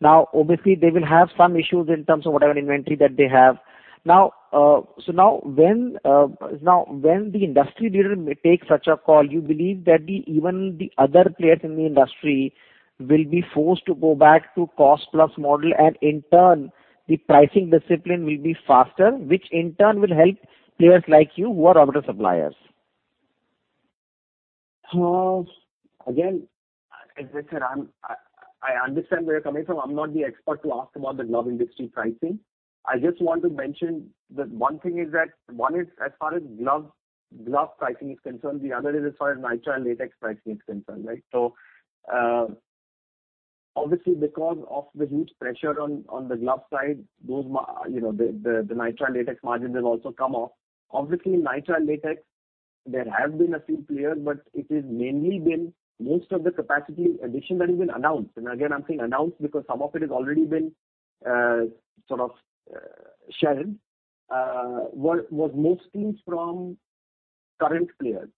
[SPEAKER 12] Now, obviously they will have some issues in terms of whatever inventory that they have. Now when the industry leader makes such a call, you believe that even the other players in the industry will be forced to go back to cost-plus model and in turn the pricing discipline will be faster, which in turn will help players like you who are order suppliers.
[SPEAKER 5] Again, as I said, I understand where you're coming from. I'm not the expert to ask about the glove industry pricing. I just want to mention that one thing is that, one is as far as glove pricing is concerned, the other is as far as Nitrile Latex pricing is concerned, right? Obviously because of the huge pressure on the glove side, those you know, the Nitrile Latex margins have also come off. Obviously Nitrile Latex there have been a few players, but it has mainly been most of the capacity addition that has been announced, and again, I'm saying announced because some of it has already been sort of shared was mostly from current players.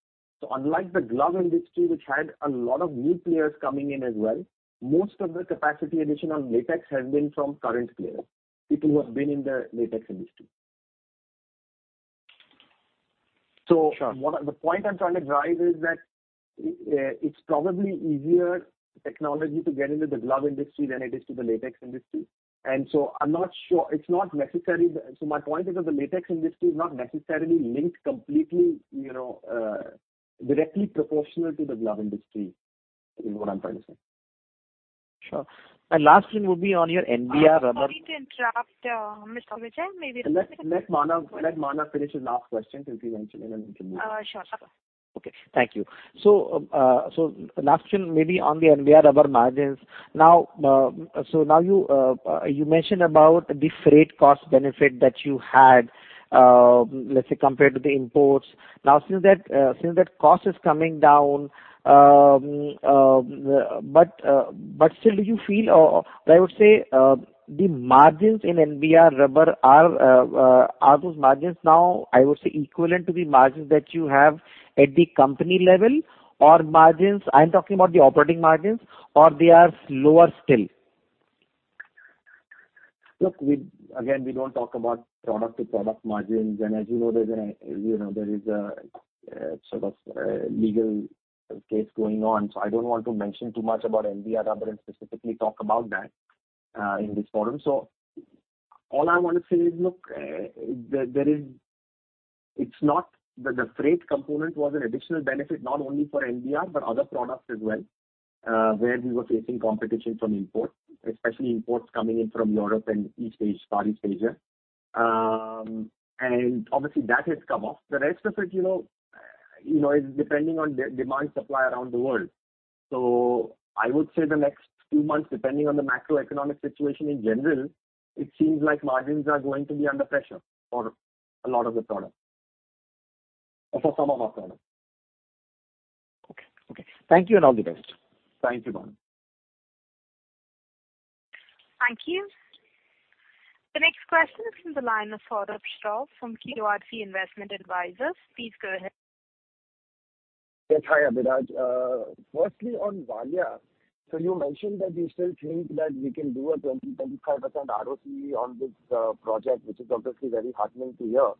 [SPEAKER 5] Unlike the glove industry which had a lot of new players coming in as well, most of the capacity addition on latex has been from current players, people who have been in the latex industry.
[SPEAKER 12] Sure.
[SPEAKER 5] The point I'm trying to drive is that it's probably easier technology to get into the glove industry than it is to the latex industry. I'm not sure my point is that the latex industry is not necessarily linked completely, you know, directly proportional to the glove industry, is what I'm trying to say.
[SPEAKER 12] Sure. Last thing would be on your NBR rubber.
[SPEAKER 1] Sorry to interrupt, Mr. Vijay.
[SPEAKER 5] Let Manav finish his last question since he mentioned it and then we can move on.
[SPEAKER 1] Sure.
[SPEAKER 12] Okay. Thank you. Last question maybe on the NBR rubber margins. Now, you mentioned about the freight cost benefit that you had, let's say compared to the imports. Since that cost is coming down, but still, do you feel or I would say, the margins in NBR rubber are those margins now, I would say, equivalent to the margins that you have at the company level or margins, I'm talking about the operating margins or they are lower still?
[SPEAKER 5] Look, again, we don't talk about product to product margins. As you know, there is a sort of legal case going on. I don't want to mention too much about NBR rubber and specifically talk about that in this forum. All I wanna say is, look, it's not the freight component was an additional benefit not only for NBR but other products as well, where we were facing competition from imports, especially imports coming in from Europe and East Asia, Far East Asia. Obviously that has come off. The rest of it, you know, is depending on demand supply around the world. I would say the next two months, depending on the macroeconomic situation in general, it seems like margins are going to be under pressure for a lot of the products. For some of our products.
[SPEAKER 12] Okay. Thank you, and all the best.
[SPEAKER 5] Thank you, Manav Vijay.
[SPEAKER 1] Thank you. The next question is from the line of Saurabh Shah from Q-Invest dvisors. Please go ahead.
[SPEAKER 13] Yes. Hi, Abhiraj. Firstly on Valia, you mentioned that you still think that we can do a 20%-25% ROCE on this project, which is obviously very heartening to hear.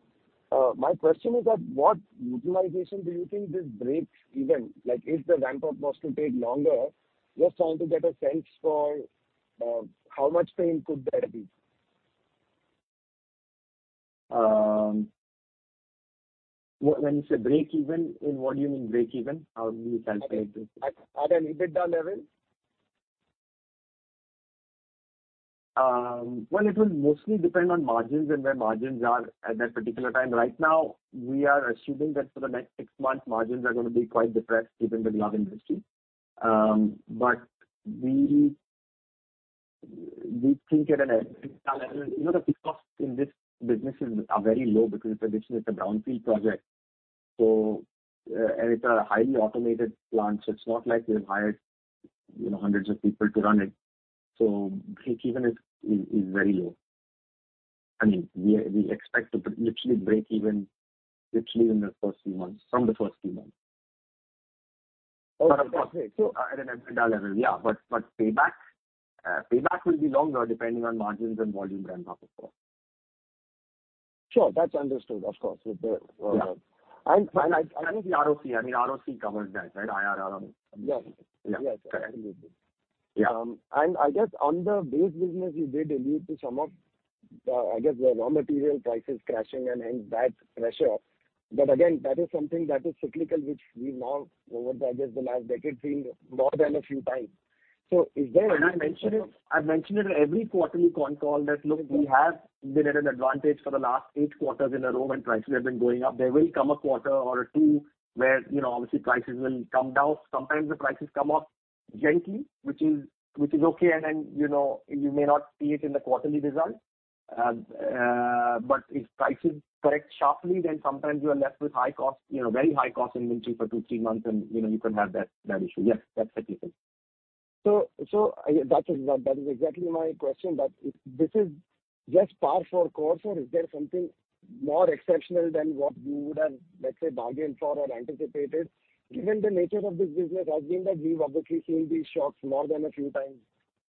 [SPEAKER 13] My question is that, at what utilization do you think this breaks even? Like, if the ramp-up was to take longer, just want to get a sense for how much pain could there be?
[SPEAKER 5] When you say break even, what do you mean break even? How do you calculate it?
[SPEAKER 13] At an EBITDA level.
[SPEAKER 5] It will mostly depend on margins and where margins are at that particular time. Right now, we are assuming that for the next six months, margins are gonna be quite depressed given the glove industry. We think at an EBITDA level, you know, the fixed costs in this business are very low because traditionally it's a brownfield project. It's a highly automated plant, so it's not like we've hired, you know, hundreds of people to run it. Break even is very low. I mean, we expect to literally break even in the first few months.
[SPEAKER 13] Okay.
[SPEAKER 5] Of course.
[SPEAKER 13] So-
[SPEAKER 5] At an EBITDA level, yeah. Payback will be longer depending on margins and volume ramp up of course.
[SPEAKER 13] Sure. That's understood, of course.
[SPEAKER 5] Yeah.
[SPEAKER 13] I think the ROC, I mean, ROC covers that, right? IRR.
[SPEAKER 5] Yes.
[SPEAKER 13] Yeah.
[SPEAKER 5] Yes. Absolutely.
[SPEAKER 13] I guess on the base business, you did allude to some of the, I guess, the raw material prices crashing and hence that pressure. Again, that is something that is cyclical, which we've now over the, I guess, the last decade seen more than a few times. Is there any-
[SPEAKER 5] I've mentioned it in every quarterly con call that, look, we have been at an advantage for the last eight quarters in a row when prices have been going up. There will come a quarter or two where, you know, obviously prices will come down. Sometimes the prices come up gently, which is okay, and then, you know, you may not see it in the quarterly results. If prices correct sharply, then sometimes you are left with high cost, you know, very high cost inventory for two, three months and, you know, you can have that issue. Yes, that's the case.
[SPEAKER 13] That is exactly my question. If this is just par for the course or is there something more exceptional than what you would have, let's say, bargained for or anticipated, given the nature of this business, I mean that we've obviously seen these shocks more than a few times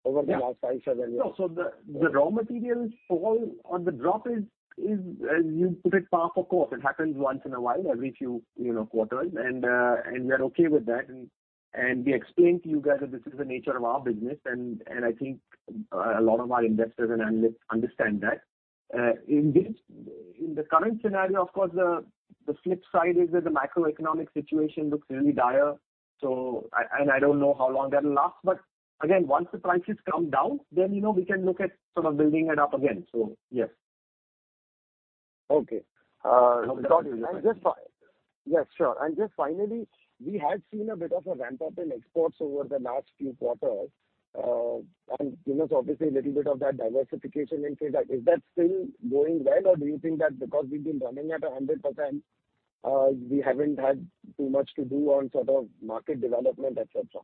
[SPEAKER 13] over the last 5-7 years.
[SPEAKER 5] Yeah. No. The raw material fall or the drop is, as you put it, par for the course. It happens once in a while, every few, you know, quarters. We're okay with that. We explained to you guys that this is the nature of our business and I think a lot of our investors and analysts understand that. In the current scenario, of course, the flip side is that the macroeconomic situation looks really dire. I don't know how long that'll last, but again, once the prices come down, then, you know, we can look at sort of building it up again. Yes.
[SPEAKER 13] Okay.
[SPEAKER 5] No, go ahead.
[SPEAKER 13] Yes. Sure. Just finally, we had seen a bit of a ramp-up in exports over the last few quarters. You know, obviously a little bit of that diversification into that. Is that still going well, or do you think that because we've been running at 100%, we haven't had too much to do on sort of market development, et cetera?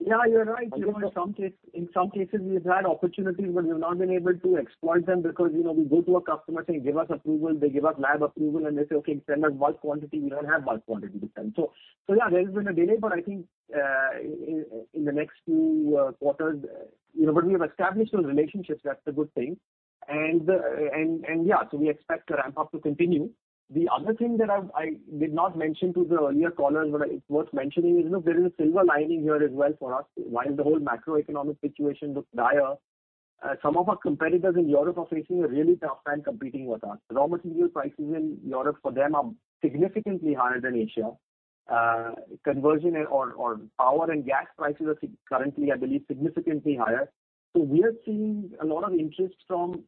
[SPEAKER 5] Yeah, you're right. You know, in some cases we've had opportunities, but we've not been able to exploit them because, you know, we go to a customer saying, "Give us approval." They give us lab approval, and they say, "Okay, send us bulk quantity." We don't have bulk quantity this time. So yeah, there has been a delay, but I think, in the next two quarters, you know, but we have established those relationships, that's the good thing. Yeah, so we expect the ramp-up to continue. The other thing that I did not mention to the earlier callers, but it's worth mentioning is, you know, there is a silver lining here as well for us. While the whole macroeconomic situation looks dire, some of our competitors in Europe are facing a really tough time competing with us. Raw material prices in Europe for them are significantly higher than Asia. Conversion or power and gas prices are currently, I believe, significantly higher. We are seeing a lot of interest from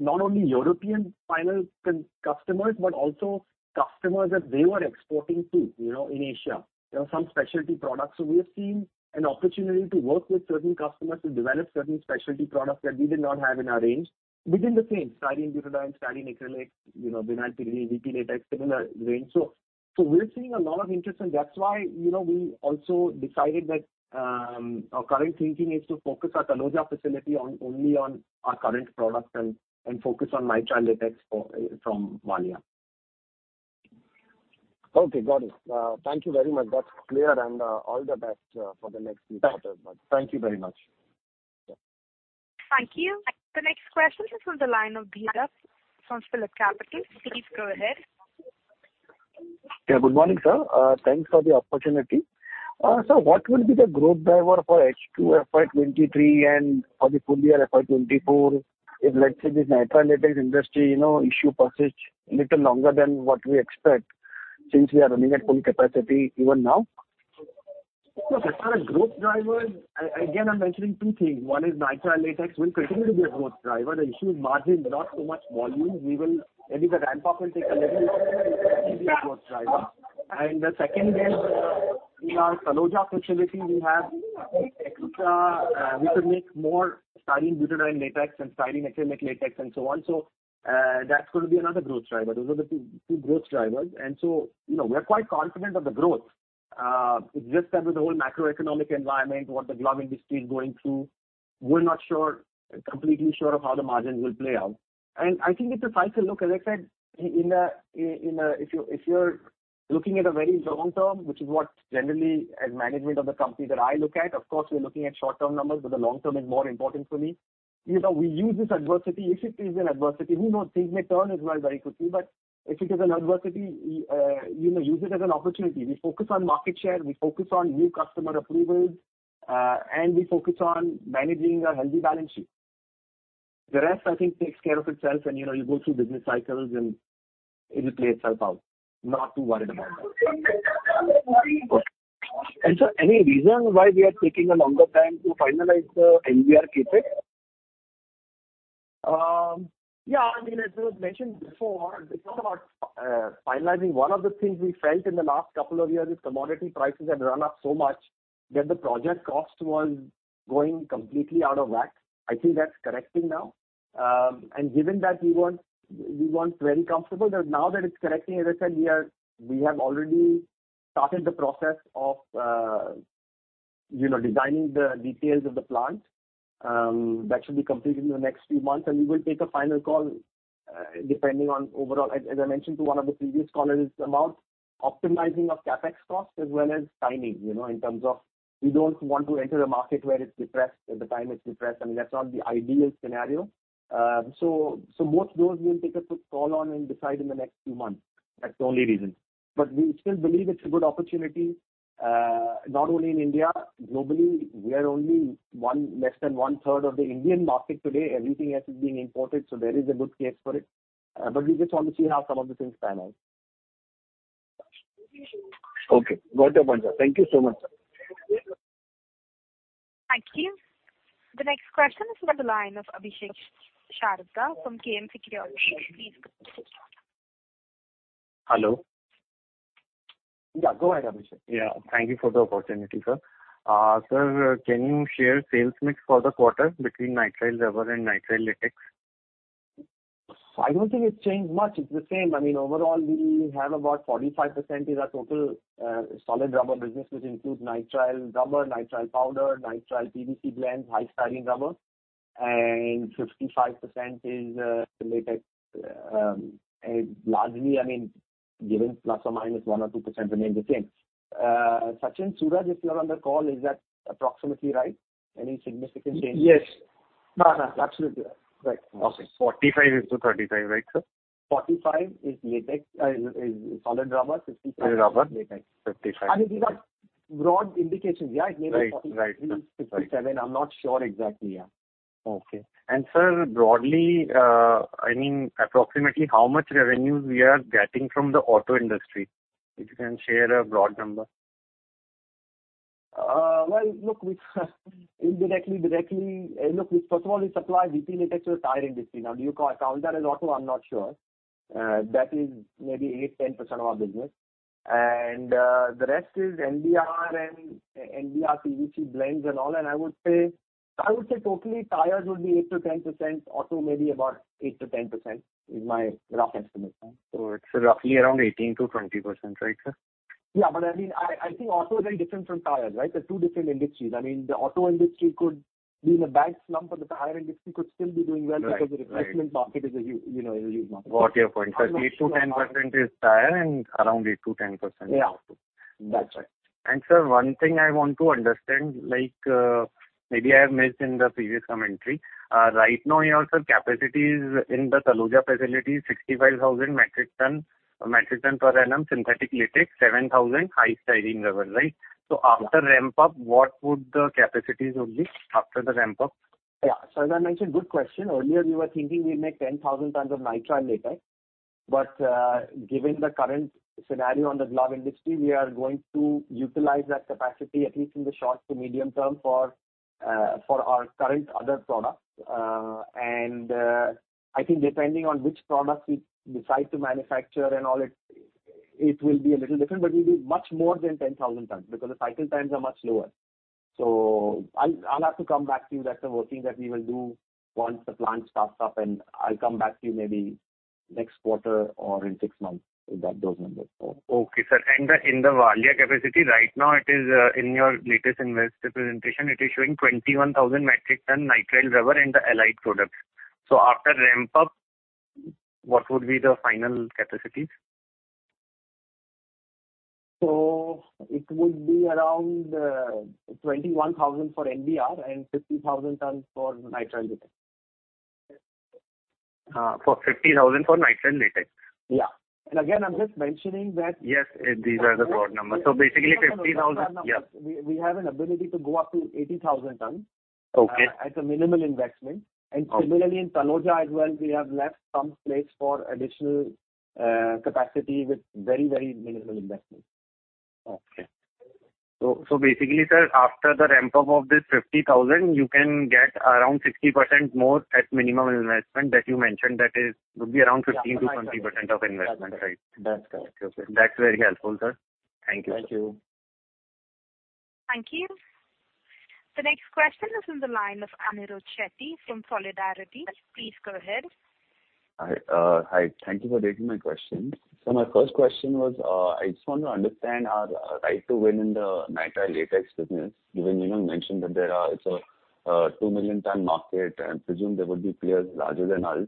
[SPEAKER 5] not only European final customers, but also customers that they were exporting to, you know, in Asia. There are some specialty products. We have seen an opportunity to work with certain customers to develop certain specialty products that we did not have in our range within the same styrene butadiene, styrene acrylic, you know, butadiene, VP Latex, similar range. We're seeing a lot of interest, and that's why, you know, we also decided that our current thinking is to focus our Taloja facility only on our current products and focus on Nitrile Latex from Valia.
[SPEAKER 3] Okay, got it. Thank you very much. That's clear, and all the best for the next few quarters.
[SPEAKER 5] Sure.
[SPEAKER 3] Thank you very much.
[SPEAKER 5] Sure.
[SPEAKER 1] Thank you. The next question is from the line of Dhiraj from PhillipCapital. Please go ahead.
[SPEAKER 3] Yeah, good morning, sir. Thanks for the opportunity. What will be the growth driver for H2 FY23 and for the full year FY24 if let's say this Nitrile Latex industry, you know, issue persists little longer than what we expect since we are running at full capacity even now?
[SPEAKER 5] Look, as far as growth driver, again, I'm mentioning two things. One is Nitrile Latex will continue to be a growth driver. The issue is margin, not so much volume. Maybe the ramp up will take a little growth driver. The second is, in our Taloja facility we have extra, we could make more Styrene Butadiene Latex and Styrene Acrylic Latex and so on. That's gonna be another growth driver. Those are the two growth drivers. You know, we're quite confident of the growth. It's just that with the whole macroeconomic environment, what the glove industry is going through, we're not sure, completely sure of how the margins will play out. I think it's a cycle. Look, as I said, in a, in a. If you're looking at a very long term, which is what generally as management of the company that I look at, of course we're looking at short-term numbers, but the long term is more important for me. You know, we use this adversity. If it is an adversity, who knows, things may turn as well very quickly. But if it is an adversity, you know, use it as an opportunity. We focus on market share, we focus on new customer approvals, and we focus on managing a healthy balance sheet. The rest, I think, takes care of itself and, you know, you go through business cycles and it'll play itself out. Not too worried about that.
[SPEAKER 3] Sir, any reason why we are taking a longer time to finalize the NBR CapEx?
[SPEAKER 5] Yeah, I mean, as it was mentioned before, it's not about finalizing. One of the things we felt in the last couple of years is commodity prices have run up so much that the project cost was going completely out of whack. I think that's correcting now. Given that we want very comfortable that now that it's correcting, as I said, we have already started the process of, you know, designing the details of the plant. That should be completed in the next few months, and we will take a final call depending on overall. As I mentioned to one of the previous callers, it's about optimizing of CapEx costs as well as timing, you know, in terms of we don't want to enter a market where it's depressed, the time is depressed. I mean, that's not the ideal scenario. Both those we'll take a call on and decide in the next few months. That's the only reason. We still believe it's a good opportunity, not only in India. Globally, we are only less than 1/3 of the Indian market today. Everything else is being imported, so there is a good case for it. We just want to see how some of the things pan out.
[SPEAKER 3] Okay. Got your point, sir. Thank you so much, sir.
[SPEAKER 1] Thank you. The next question is from the line of Abhishek Sharda from KMV Securities. Please go ahead.
[SPEAKER 14] Hello.
[SPEAKER 5] Yeah, go ahead, Abhishek.
[SPEAKER 14] Yeah. Thank you for the opportunity, sir. Sir, can you share sales mix for the quarter between Nitrile Rubber and Nitrile Latex?
[SPEAKER 5] I don't think it's changed much. It's the same. I mean, overall, we have about 45% is our total solid rubber business, which includes nitrile rubber, nitrile powder, nitrile PVC blends, high styrene rubber, and 55% is the latex. Largely, I mean, given ±1 or 2% remain the same. Sachin, Suraj, if you're on the call, is that approximately right? Any significant change?
[SPEAKER 3] Yes. Absolutely. Right.
[SPEAKER 14] Okay.
[SPEAKER 3] 45 is to 35, right, sir?
[SPEAKER 5] 45 is latex. 55 is solid rubber.
[SPEAKER 3] Is rubber.
[SPEAKER 5] is latex.
[SPEAKER 3] Fifty-five.
[SPEAKER 5] I mean, these are broad indications. Yeah, it may be.
[SPEAKER 3] Right. Right, sir.
[SPEAKER 5] -43, 57. I'm not sure exactly. Yeah.
[SPEAKER 14] Okay. Sir, broadly, I mean, approximately how much revenues we are getting from the auto industry? If you can share a broad number.
[SPEAKER 5] Well, look, first of all, we supply VP latex to the tire industry. Now, do you count that as auto? I'm not sure. That is maybe 8-10% of our business. The rest is NBR and NBR PVC blends and all, and I would say totally tires would be 8%-10%. Auto maybe about 8%-10% is my rough estimate.
[SPEAKER 14] It's roughly around 18%-20%, right, sir?
[SPEAKER 5] Yeah, but I mean, I think auto is very different from tires, right? They're two different industries. I mean, the auto industry could be in a bad slump, but the tire industry could still be doing well.
[SPEAKER 14] Right. Right.
[SPEAKER 5] Because the replacement market is a huge, you know, market.
[SPEAKER 14] Got your point.
[SPEAKER 5] I'm not sure.
[SPEAKER 14] 8%-10% is tire and around 8%-10% is auto.
[SPEAKER 5] Yeah. That's right.
[SPEAKER 14] Sir, one thing I want to understand, like, maybe I have missed in the previous commentary. Right now you have, sir, capacities in the Taloja facility, 65,000 metric ton per annum synthetic latex, 7,000 high styrene rubber, right?
[SPEAKER 5] Yeah.
[SPEAKER 14] After ramp up, what would the capacities be after the ramp up?
[SPEAKER 5] Yeah. As I mentioned. Good question. Earlier we were thinking we'd make 10,000 tons of Nitrile Latex. Given the current scenario on the glove industry, we are going to utilize that capacity at least in the short to medium term for our current other products. I think depending on which products we decide to manufacture and all, it will be a little different, but it will be much more than 10,000 tons because the cycle times are much lower. I'll have to come back to you. That's a whole thing that we will do once the plant starts up and I'll come back to you maybe next quarter or in six months with those numbers for you.
[SPEAKER 14] Okay, sir. In the Valia capacity right now it is, in your latest investor presentation, it is showing 21,000 metric tons Nitrile Rubber and the allied products. After ramp up, what would be the final capacities?
[SPEAKER 5] It would be around 21,000 for NBR and 50,000 tons for Nitrile Latex.
[SPEAKER 14] 50,000 for Nitrile Latex.
[SPEAKER 5] Yeah. Again, I'm just mentioning that.
[SPEAKER 14] Yes, these are the broad numbers. Basically 50,000. Yeah.
[SPEAKER 5] We have an ability to go up to 80,000 tons.
[SPEAKER 14] Okay.
[SPEAKER 5] At a minimal investment.
[SPEAKER 14] Okay.
[SPEAKER 5] Similarly in Taloja as well, we have left some place for additional capacity with very minimal investment.
[SPEAKER 14] Basically, sir, after the ramp up of this 50,000, you can get around 60% more at minimum investment that you mentioned. That is, would be around 15%-20% of investment. Right?
[SPEAKER 5] That's correct.
[SPEAKER 14] Okay. That's very helpful, sir. Thank you.
[SPEAKER 5] Thank you.
[SPEAKER 1] Thank you. The next question is from the line of Anirudh Shetty from Solidarity. Please go ahead.
[SPEAKER 15] Hi. Thank you for taking my question. My first question was, I just want to understand our right to win in the Nitrile Latex business, given you mentioned that it's a 2 million ton market and presume there would be players larger than us.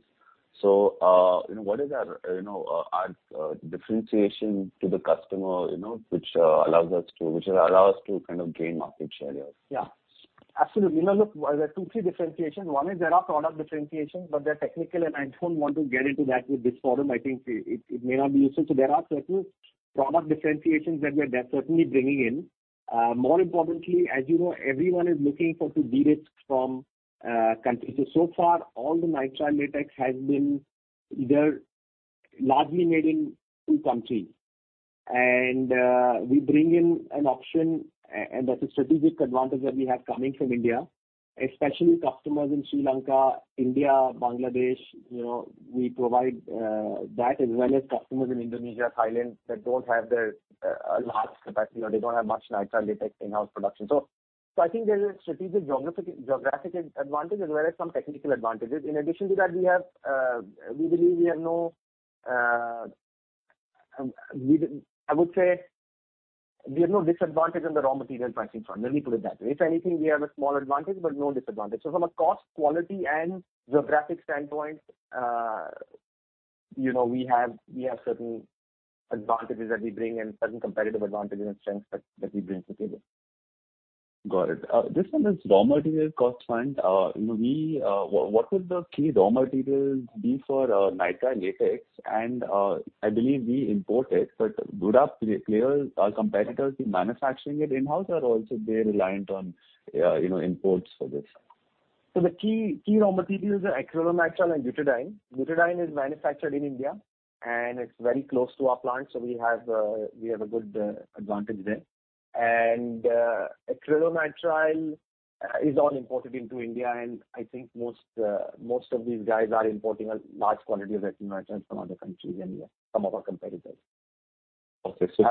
[SPEAKER 15] You know, what is our differentiation to the customer, you know, which will allow us to kind of gain market share here?
[SPEAKER 5] Yeah, absolutely. You know, look, there are two, three differentiations. One is there are product differentiations, but they're technical, and I don't want to get into that with this forum. I think it may not be useful. There are certain product differentiations that we are certainly bringing in. More importantly, as you know, everyone is looking to de-risk from China. So far all the Nitrile Latex has been either largely made in two countries. We bring in an option and that's a strategic advantage that we have coming from India, especially customers in Sri Lanka, India, Bangladesh. You know, we provide that as well as customers in Indonesia, Thailand that don't have a large capacity or they don't have much Nitrile Latex in-house production. I think there's a strategic geographic advantage as well as some technical advantages. In addition to that, I would say we have no disadvantage on the raw material pricing front. Let me put it that way. If anything, we have a small advantage but no disadvantage. From a cost, quality and geographic standpoint, you know, we have certain advantages that we bring and certain competitive advantages and strengths that we bring to the table.
[SPEAKER 15] Got it. This one is raw material cost front. You know, what would the key raw materials be for Nitrile Latex? I believe we import it, but would our players or competitors be manufacturing it in-house or also they're reliant on, you know, imports for this?
[SPEAKER 5] The key raw materials are acrylonitrile and butadiene. Butadiene is manufactured in India and it's very close to our plant. We have a good advantage there. Acrylonitrile is all imported into India. I think most of these guys are importing a large quantity of acrylonitrile from other countries anyway, some of our competitors.
[SPEAKER 15] Okay.
[SPEAKER 5] There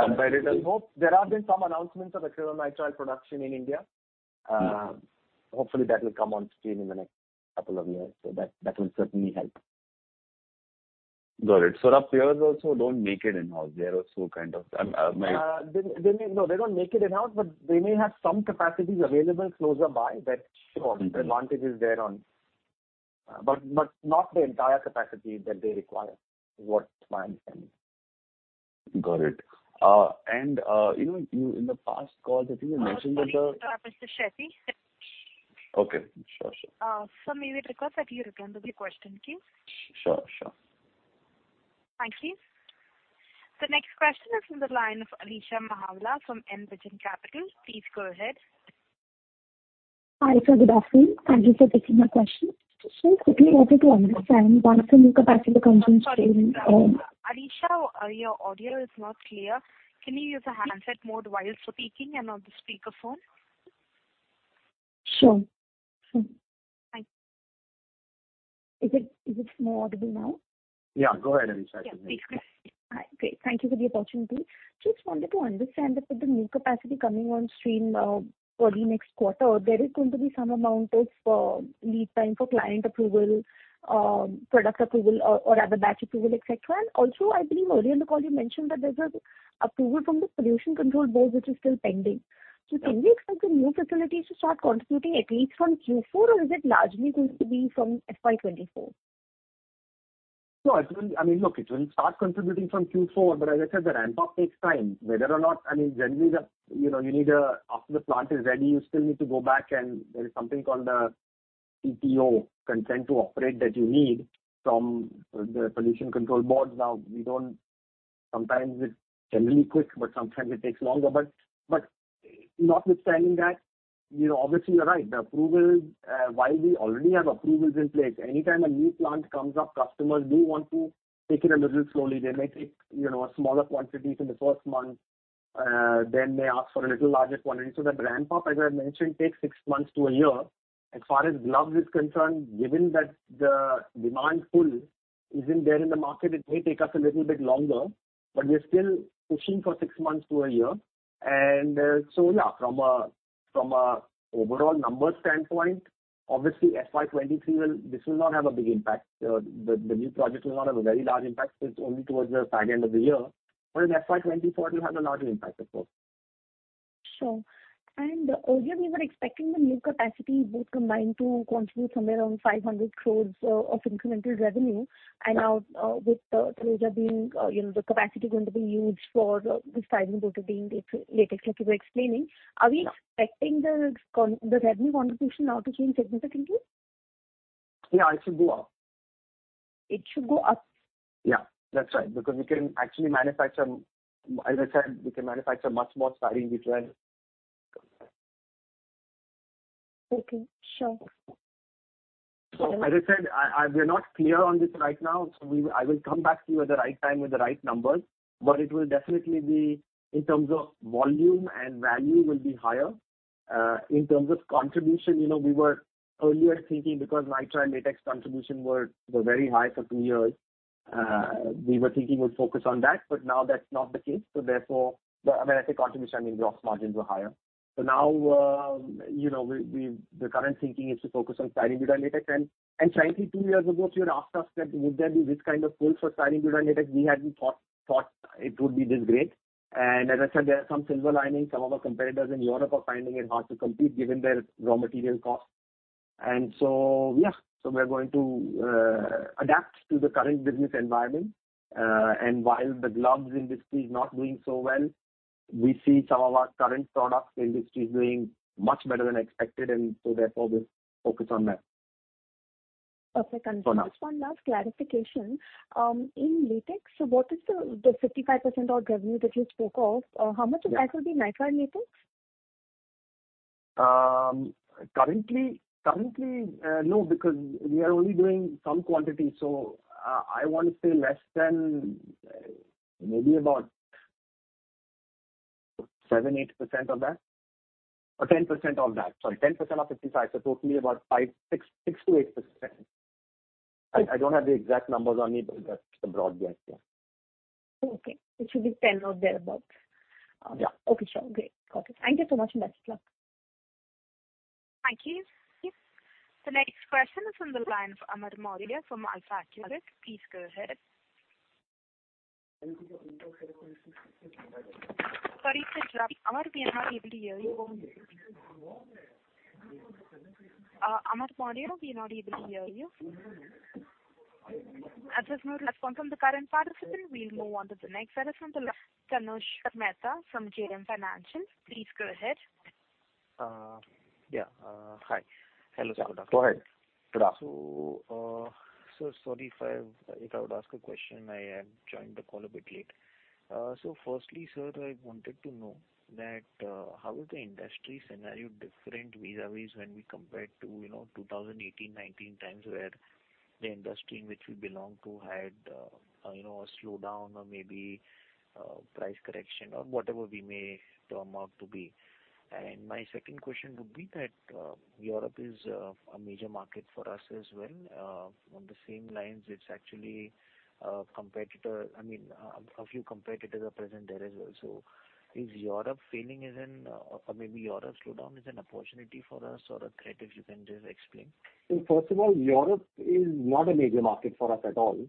[SPEAKER 5] have been some announcements of acrylonitrile production in India. Hopefully that will come on stream in the next couple of years. That will certainly help.
[SPEAKER 15] Got it. Our peers also don't make it in-house. They're also kind of.
[SPEAKER 5] They don't make it in-house, but they may have some capacities available closer by that the advantage is there on. Not the entire capacity that they require is what my understanding is.
[SPEAKER 15] Got it. You know, you in the past calls I think you mentioned that the
[SPEAKER 1] Sorry to interrupt, Mr. Shetty.
[SPEAKER 15] Okay. Sure, sure.
[SPEAKER 1] Sir, may we request that you return to the question, please?
[SPEAKER 15] Sure, sure.
[SPEAKER 1] Thank you. The next question is from the line of Alisha Mahawla from Envision Capital. Please go ahead.
[SPEAKER 16] Alisha, good afternoon. Thank you for taking my question. Quickly I want to understand one of the new capacity-
[SPEAKER 1] Sorry. Alisha, your audio is not clear. Can you use a handset mode while speaking and not the speaker phone?
[SPEAKER 16] Sure, sure.
[SPEAKER 1] Thank you.
[SPEAKER 16] Is it more audible now?
[SPEAKER 15] Yeah, go ahead, Alisha.
[SPEAKER 1] Yeah, please go ahead.
[SPEAKER 16] Hi. Great. Thank you for the opportunity. Just wanted to understand that with the new capacity coming on stream for the next quarter, there is going to be some amount of lead time for client approval, product approval or rather batch approval, et cetera. Also, I believe earlier in the call you mentioned that there's an approval from the Pollution Control Board which is still pending.
[SPEAKER 5] Yeah.
[SPEAKER 16] Can we expect the new facilities to start contributing at least from Q4 or is it largely going to be from FY 24?
[SPEAKER 5] No, it will start contributing from Q4. As I said, the ramp up takes time. Generally, you know, after the plant is ready, you still need to go back and there is something called the CPO, consent to operate, that you need from the Pollution Control Board. Sometimes it's generally quick, but sometimes it takes longer. Notwithstanding that, you know, obviously you're right. The approvals, while we already have approvals in place, anytime a new plant comes up, customers do want to take it a little slowly. They may take, you know, a smaller quantity for the first month, then they ask for a little larger quantity. The ramp-up, as I mentioned, takes six months to a year. As far as gloves is concerned, given that the demand pool isn't there in the market, it may take us a little bit longer, but we're still pushing for six months to a year. From an overall numbers standpoint, obviously this will not have a big impact. The new project will not have a very large impact. It's only towards the back end of the year. In FY 2024 it will have a larger impact, of course.
[SPEAKER 16] Sure. Earlier we were expecting the new capacity both combined to contribute somewhere around 500 crores of incremental revenue.
[SPEAKER 5] Yeah.
[SPEAKER 16] With the SBR being, you know, the capacity going to be used for the Styrene Butadiene Latex like you were explaining.
[SPEAKER 5] Yeah.
[SPEAKER 16] Are we expecting the revenue contribution now to change significantly?
[SPEAKER 5] Yeah, it should go up.
[SPEAKER 16] It should go up?
[SPEAKER 5] Yeah, that's right. Because we can actually manufacture, as I said, we can manufacture much more styrene butadiene.
[SPEAKER 16] Okay. Sure.
[SPEAKER 5] As I said, we're not clear on this right now, so I will come back to you at the right time with the right numbers. It will definitely be, in terms of volume and value, higher. In terms of contribution, you know, we were earlier thinking because Nitrile Latex contribution were very high for two years, we were thinking we'll focus on that, but now that's not the case. Therefore, when I say contribution, I mean gross margins were higher. Now, you know, the current thinking is to focus on Styrene Butadiene Latex. Frankly, two years ago if you had asked us that would there be this kind of pull for Styrene Butadiene Latex, we hadn't thought it would be this great. As I said, there are some silver linings. Some of our competitors in Europe are finding it hard to compete given their raw material costs. We're going to adapt to the current business environment. While the gloves industry is not doing so well, we see some of our current products industry is doing much better than expected and so therefore we'll focus on that.
[SPEAKER 16] Perfect.
[SPEAKER 5] For now.
[SPEAKER 16] Just one last clarification. In latex, what is the 55% of revenue that you spoke of?
[SPEAKER 5] Yeah.
[SPEAKER 16] How much of that would be Nitrile Latex?
[SPEAKER 5] Currently, no, because we are only doing some quantity, so I wanna say less than maybe about 7-8% of that or 10% of that. Sorry, 10% of 55, so totally about 5-6, 6-8%.
[SPEAKER 16] Okay.
[SPEAKER 5] I don't have the exact numbers on me, but that's the broad guess, yeah.
[SPEAKER 16] Okay. It should be 10 or thereabout.
[SPEAKER 5] Yeah.
[SPEAKER 16] Okay, sure. Great. Got it. Thank you so much, and best of luck.
[SPEAKER 1] Thank you. The next question is from the line of Amar Maurya from AlfAccurate Advisors. Please go ahead. Sorry, it's a little crappy. Amar, we are not able to hear you. Amar Maurya, we're not able to hear you. As there's no response from the current participant, we'll move on to the next. That is from Tanush Mehta from JM Financial. Please go ahead.
[SPEAKER 17] Yeah. Hi. Hello, Sudha.
[SPEAKER 5] Go ahead, Sudha.
[SPEAKER 17] Sorry if I would ask a question. I joined the call a bit late. Firstly, sir, I wanted to know that, how is the industry scenario different vis-à-vis when we compare to, you know, 2018, 2019 times where the industry in which we belong to had, you know, a slowdown or maybe, price correction or whatever we may term out to be. My second question would be that, Europe is a major market for us as well. On the same lines, it's actually a competitor. I mean, a few competitors are present there as well. Is Europe failing as in or maybe Europe slowdown is an opportunity for us or a threat, if you can just explain.
[SPEAKER 5] First of all, Europe is not a major market for us at all.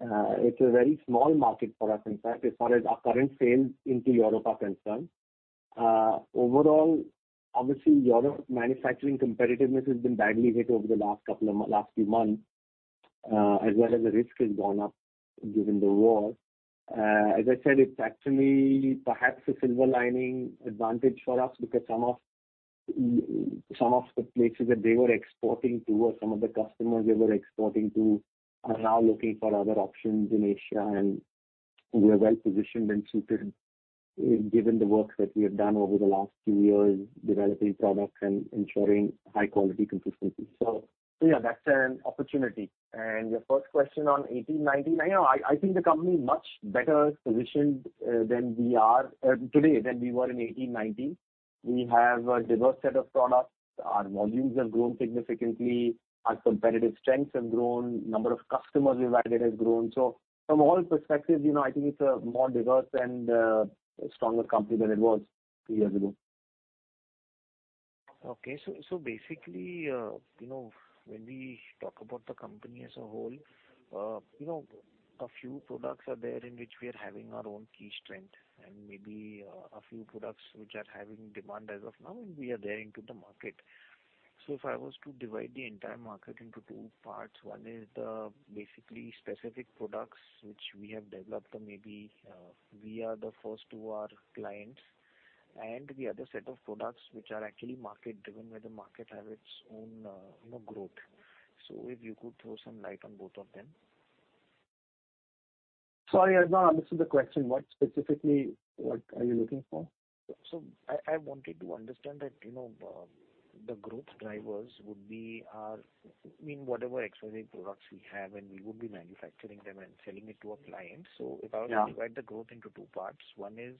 [SPEAKER 5] It's a very small market for us, in fact, as far as our current sales into Europe are concerned. Overall, obviously European manufacturing competitiveness has been badly hit over the last few months, as well as the risk has gone up given the war. As I said, it's actually perhaps a silver lining advantage for us because some of the places that they were exporting to or some of the customers they were exporting to are now looking for other options in Asia, and we are well positioned and suited, given the work that we have done over the last two years developing products and ensuring high quality consistency. Yeah, that's an opportunity. Your first question on 18, 19. I know, I think the company much better positioned than we are today than we were in 2018, 2019. We have a diverse set of products. Our volumes have grown significantly. Our competitive strengths have grown. Number of customers we've added has grown. From all perspectives, you know, I think it's a more diverse and stronger company than it was two years ago.
[SPEAKER 17] Basically, you know, when we talk about the company as a whole, you know, a few products are there in which we are having our own key strength and maybe, a few products which are having demand as of now and we are there into the market. If I was to divide the entire market into two parts, one is basically specific products which we have developed or maybe, we are the first to our clients, and the other set of products which are actually market driven, where the market have its own, you know, growth. If you could throw some light on both of them.
[SPEAKER 5] Sorry, I've not understood the question. What specifically, what are you looking for?
[SPEAKER 17] I wanted to understand that, you know, the growth drivers would be, I mean, whatever exporting products we have, and we would be manufacturing them and selling it to a client.
[SPEAKER 5] Yeah.
[SPEAKER 17] If I were to divide the growth into two parts, one is,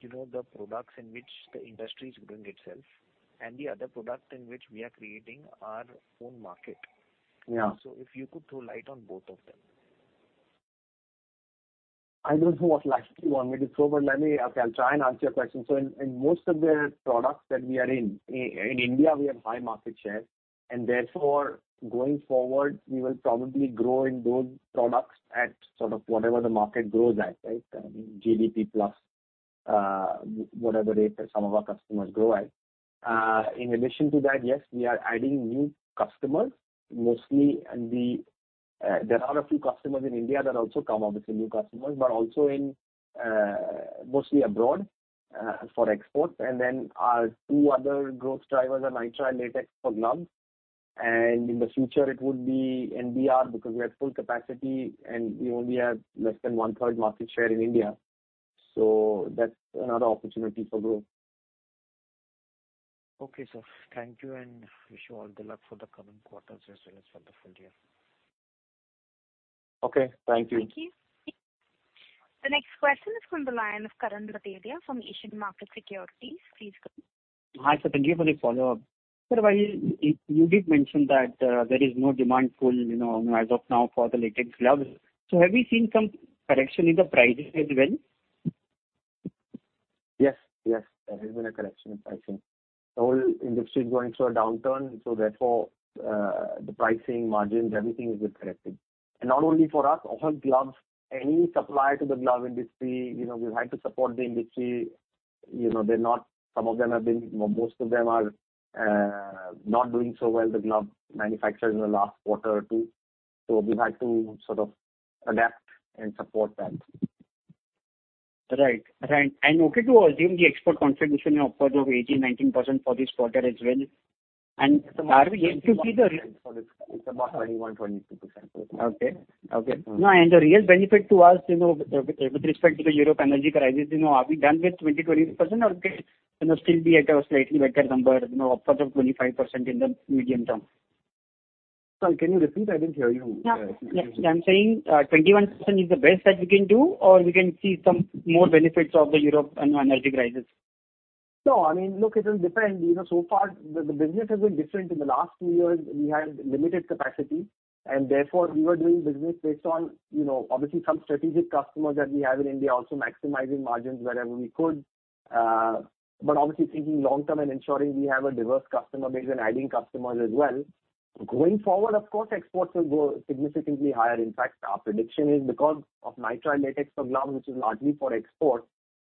[SPEAKER 17] you know, the products in which the industry is growing itself, and the other product in which we are creating our own market.
[SPEAKER 5] Yeah.
[SPEAKER 17] If you could throw light on both of them?
[SPEAKER 5] I don't know what lights you want me to throw, but let me. Okay, I'll try and answer your question. In most of the products that we are in India, we have high market share, and therefore, going forward, we will probably grow in those products at sort of whatever the market grows at, right? I mean, GDP plus, whatever rate that some of our customers grow at. In addition to that, yes, we are adding new customers, mostly, and there are a few customers in India that also come, obviously new customers, but also in, mostly abroad, for export. Then our two other growth drivers are nitrile latex for gloves. In the future, it would be NBR because we have full capacity, and we only have less than 1/3 market share in India. That's another opportunity for growth.
[SPEAKER 17] Okay, sir. Thank you, and wish you all the luck for the coming quarters as well as for the full year.
[SPEAKER 5] Okay, thank you.
[SPEAKER 1] Thank you. The next question is from the line of Karan Patelia from Asian Markets Securities. Please go ahead.
[SPEAKER 10] Hi, sir. Thank you for the follow-up. Sir, while you did mention that, there is no demand pool, you know, as of now for the latex gloves. Have you seen some correction in the prices as well?
[SPEAKER 5] Yes. Yes. There has been a correction in pricing. The whole industry is going through a downturn, so therefore, the pricing margins, everything is getting corrected. Not only for us, all gloves, any supplier to the glove industry, you know, we've had to support the industry. You know, most of them are not doing so well, the glove manufacturers in the last quarter or two. We've had to sort of adapt and support that.
[SPEAKER 10] Right. Okay to assume the export contribution of upward of 18%-19% for this quarter as well? Are we here to see the-
[SPEAKER 5] It's about 21%-22%.
[SPEAKER 10] Okay. Okay.
[SPEAKER 5] Mm-hmm.
[SPEAKER 10] No, the real benefit to us, you know, with respect to the European energy crisis, you know, are we done with 22% or can, you know, still be at a slightly better number, you know, upwards of 25% in the medium term?
[SPEAKER 5] Sir, can you repeat? I didn't hear you, actually.
[SPEAKER 10] I'm saying, 21% is the best that we can do, or we can see some more benefits of the European energy crisis?
[SPEAKER 5] No, I mean, look, it will depend. You know, so far the business has been different. In the last two years we had limited capacity and therefore we were doing business based on, you know, obviously some strategic customers that we have in India, also maximizing margins wherever we could. But obviously thinking long term and ensuring we have a diverse customer base and adding customers as well. Going forward, of course, exports will grow significantly higher. In fact, our prediction is because of Nitrile Latex for gloves, which is largely for export,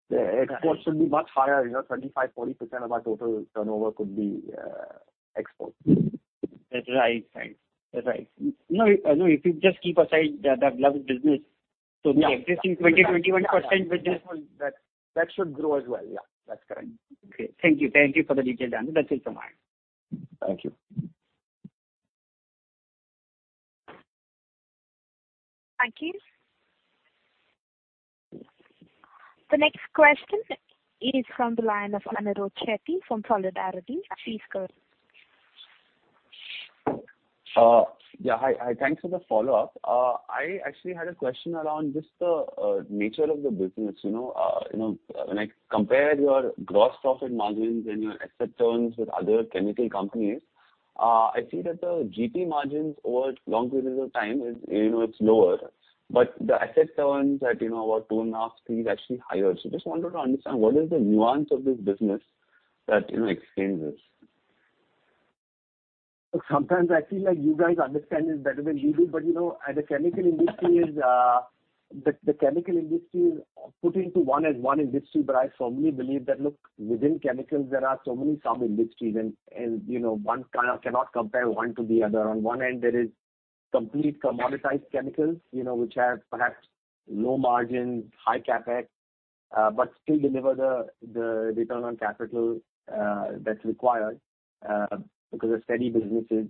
[SPEAKER 5] the export should be much higher. You know, 35%-40% of our total turnover could be export.
[SPEAKER 10] That's right. Thanks. That's right. No, if you just keep aside the gloves business-
[SPEAKER 5] Yeah.
[SPEAKER 10] the existing 20-21% business.
[SPEAKER 5] That should grow as well. Yeah, that's correct.
[SPEAKER 10] Okay. Thank you. Thank you for the detailed answer. That's it from my end.
[SPEAKER 5] Thank you.
[SPEAKER 1] Thank you. The next question is from the line of Anirudh Shetty from Solidarity. Please go ahead.
[SPEAKER 15] Yeah. Hi. Thanks for the follow-up. I actually had a question around just the nature of the business, you know. You know, when I compare your gross profit margins and your asset turns with other chemical companies, I see that the GP margins over long periods of time is, you know, it's lower, but the asset turns at, you know, about 2.5, 3 is actually higher. Just wanted to understand what is the nuance of this business that, you know, explains this.
[SPEAKER 5] Sometimes I feel like you guys understand this better than we do. You know, the chemical industry is put into one as one industry, but I firmly believe that, look, within chemicals there are so many sub-industries and, you know, one cannot compare one to the other. On one end, there is complete commoditized chemicals, you know, which have perhaps low margins, high CapEx, but still deliver the return on capital that's required because they're steady businesses.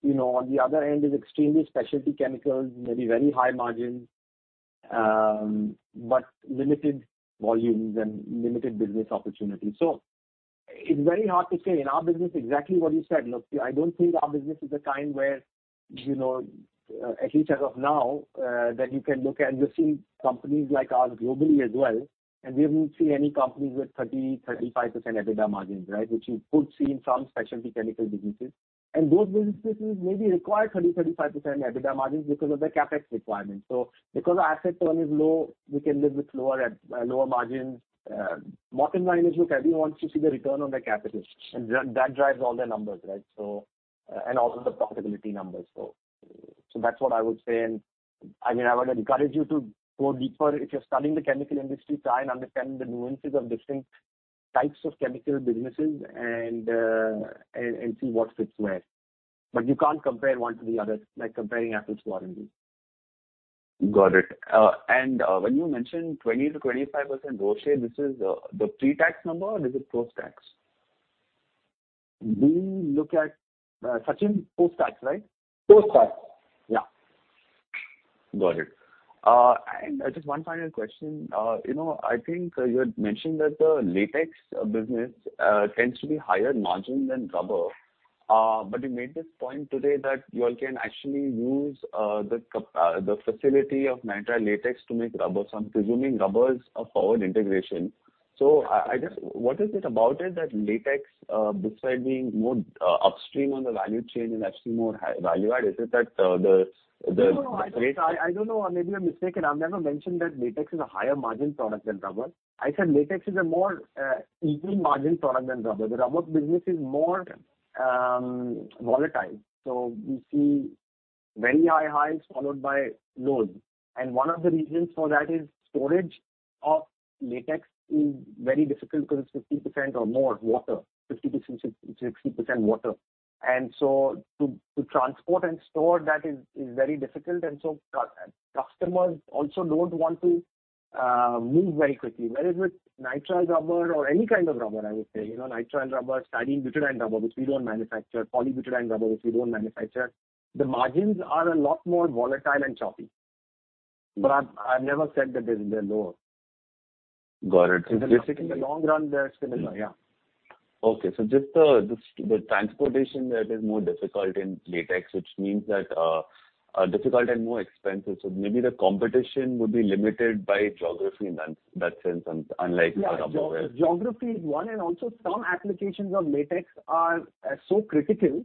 [SPEAKER 5] You know, on the other end is extremely specialty chemicals, maybe very high margins, but limited volumes and limited business opportunities. It's very hard to say. In our business, exactly what you said. Look, I don't think our business is the kind where, you know, at least as of now, that you can look at. You see companies like ours globally as well, and we haven't seen any companies with 30-35% EBITDA margins, right? Which you could see in some specialty chemical businesses. Those businesses maybe require 30-35% EBITDA margins because of their CapEx requirements. Because our asset turn is low, we can live with lower margins. Bottom line is, look, everyone wants to see the return on their capital and that drives all their numbers, right? And also the profitability numbers. So that's what I would say. I mean, I would encourage you to go deeper. If you're studying the chemical industry, try and understand the nuances of different types of chemical businesses and see what fits where. You can't compare one to the other, like comparing apples to oranges.
[SPEAKER 15] Got it. When you mentioned 20%-25% ROCE, this is the pre-tax number or is it post-tax? We look at Sachin, post-tax, right?
[SPEAKER 5] Post-tax.
[SPEAKER 15] Yeah. Got it. Just one final question. You know, I think you had mentioned that the latex business tends to be higher margin than rubber. You made this point today that you all can actually use the facility of nitrile latex to make rubber. I'm presuming rubber is a forward integration. I just... What is it about it that latex, besides being more upstream on the value chain and actually more high value add, is it that the
[SPEAKER 5] No, no. I don't know. I may be mistaken. I've never mentioned that latex is a higher margin product than rubber. I said latex is a more even margin product than rubber. The rubber business is more volatile. We see very high highs followed by lows. One of the reasons for that is storage of latex is very difficult because it's 50% or more water, 50%-60% water. To transport and store that is very difficult. Customers also don't want to move very quickly. Whereas with nitrile rubber or any kind of rubber, I would say, you know, nitrile rubber, styrene butadiene rubber, which we don't manufacture, polybutadiene rubber, which we don't manufacture, the margins are a lot more volatile and choppy. I've never said that they're lower.
[SPEAKER 15] Got it.
[SPEAKER 5] In the long run, they're similar. Yeah.
[SPEAKER 15] Just the transportation that is more difficult in latex, which means that difficult and more expensive. Maybe the competition would be limited by geography in that sense, unlike rubber wares.
[SPEAKER 5] Yeah. Geography is one, and also some applications of latex are so critical.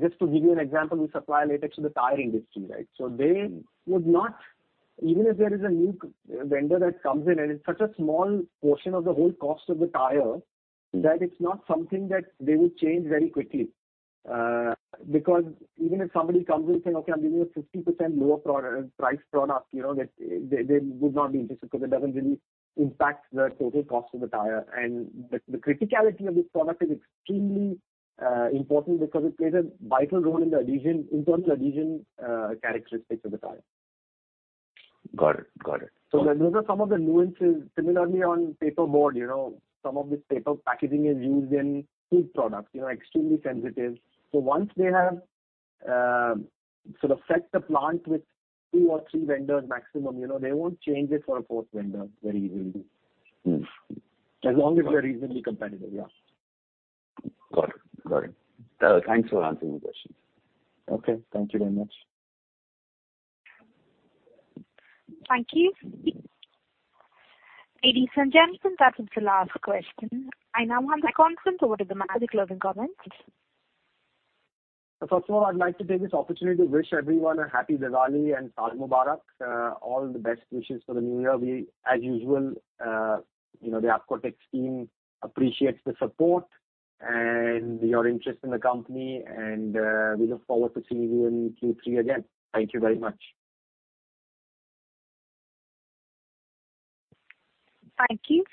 [SPEAKER 5] Just to give you an example, we supply latex to the tire industry, right? They would not, even if there is a new vendor that comes in, and it's such a small portion of the whole cost of the tire that it's not something that they would change very quickly. Because even if somebody comes and says, "Okay, I'm giving you 50% lower priced product," you know, they would not be interested because it doesn't really impact the total cost of the tire. The criticality of this product is extremely important because it plays a vital role in the adhesion, internal adhesion characteristics of the tire.
[SPEAKER 15] Got it.
[SPEAKER 5] Those are some of the nuances. Similarly, on paperboard, you know, some of this paper packaging is used in food products, you know, extremely sensitive. Once they have sort of set the plant with two or three vendors maximum, you know, they won't change it for a fourth vendor very easily. As long as we are reasonably competitive. Yeah.
[SPEAKER 15] Got it. Thanks for answering the questions.
[SPEAKER 5] Okay. Thank you very much.
[SPEAKER 1] Thank you. Ladies and gentlemen, that was the last question. I now hand the conference over to the manager for closing comments.
[SPEAKER 5] First of all, I'd like to take this opportunity to wish everyone a happy Diwali and Eid Mubarak. All the best wishes for the new year. We, as usual, you know, the Apcotex team appreciates the support and your interest in the company, and we look forward to seeing you in Q3 again. Thank you very much.
[SPEAKER 1] Thank you.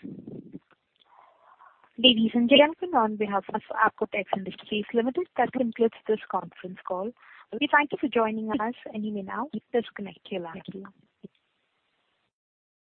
[SPEAKER 1] Ladies and gentlemen, on behalf of Apcotex Industries Limited, that concludes this conference call. We thank you for joining us. You may now disconnect your line.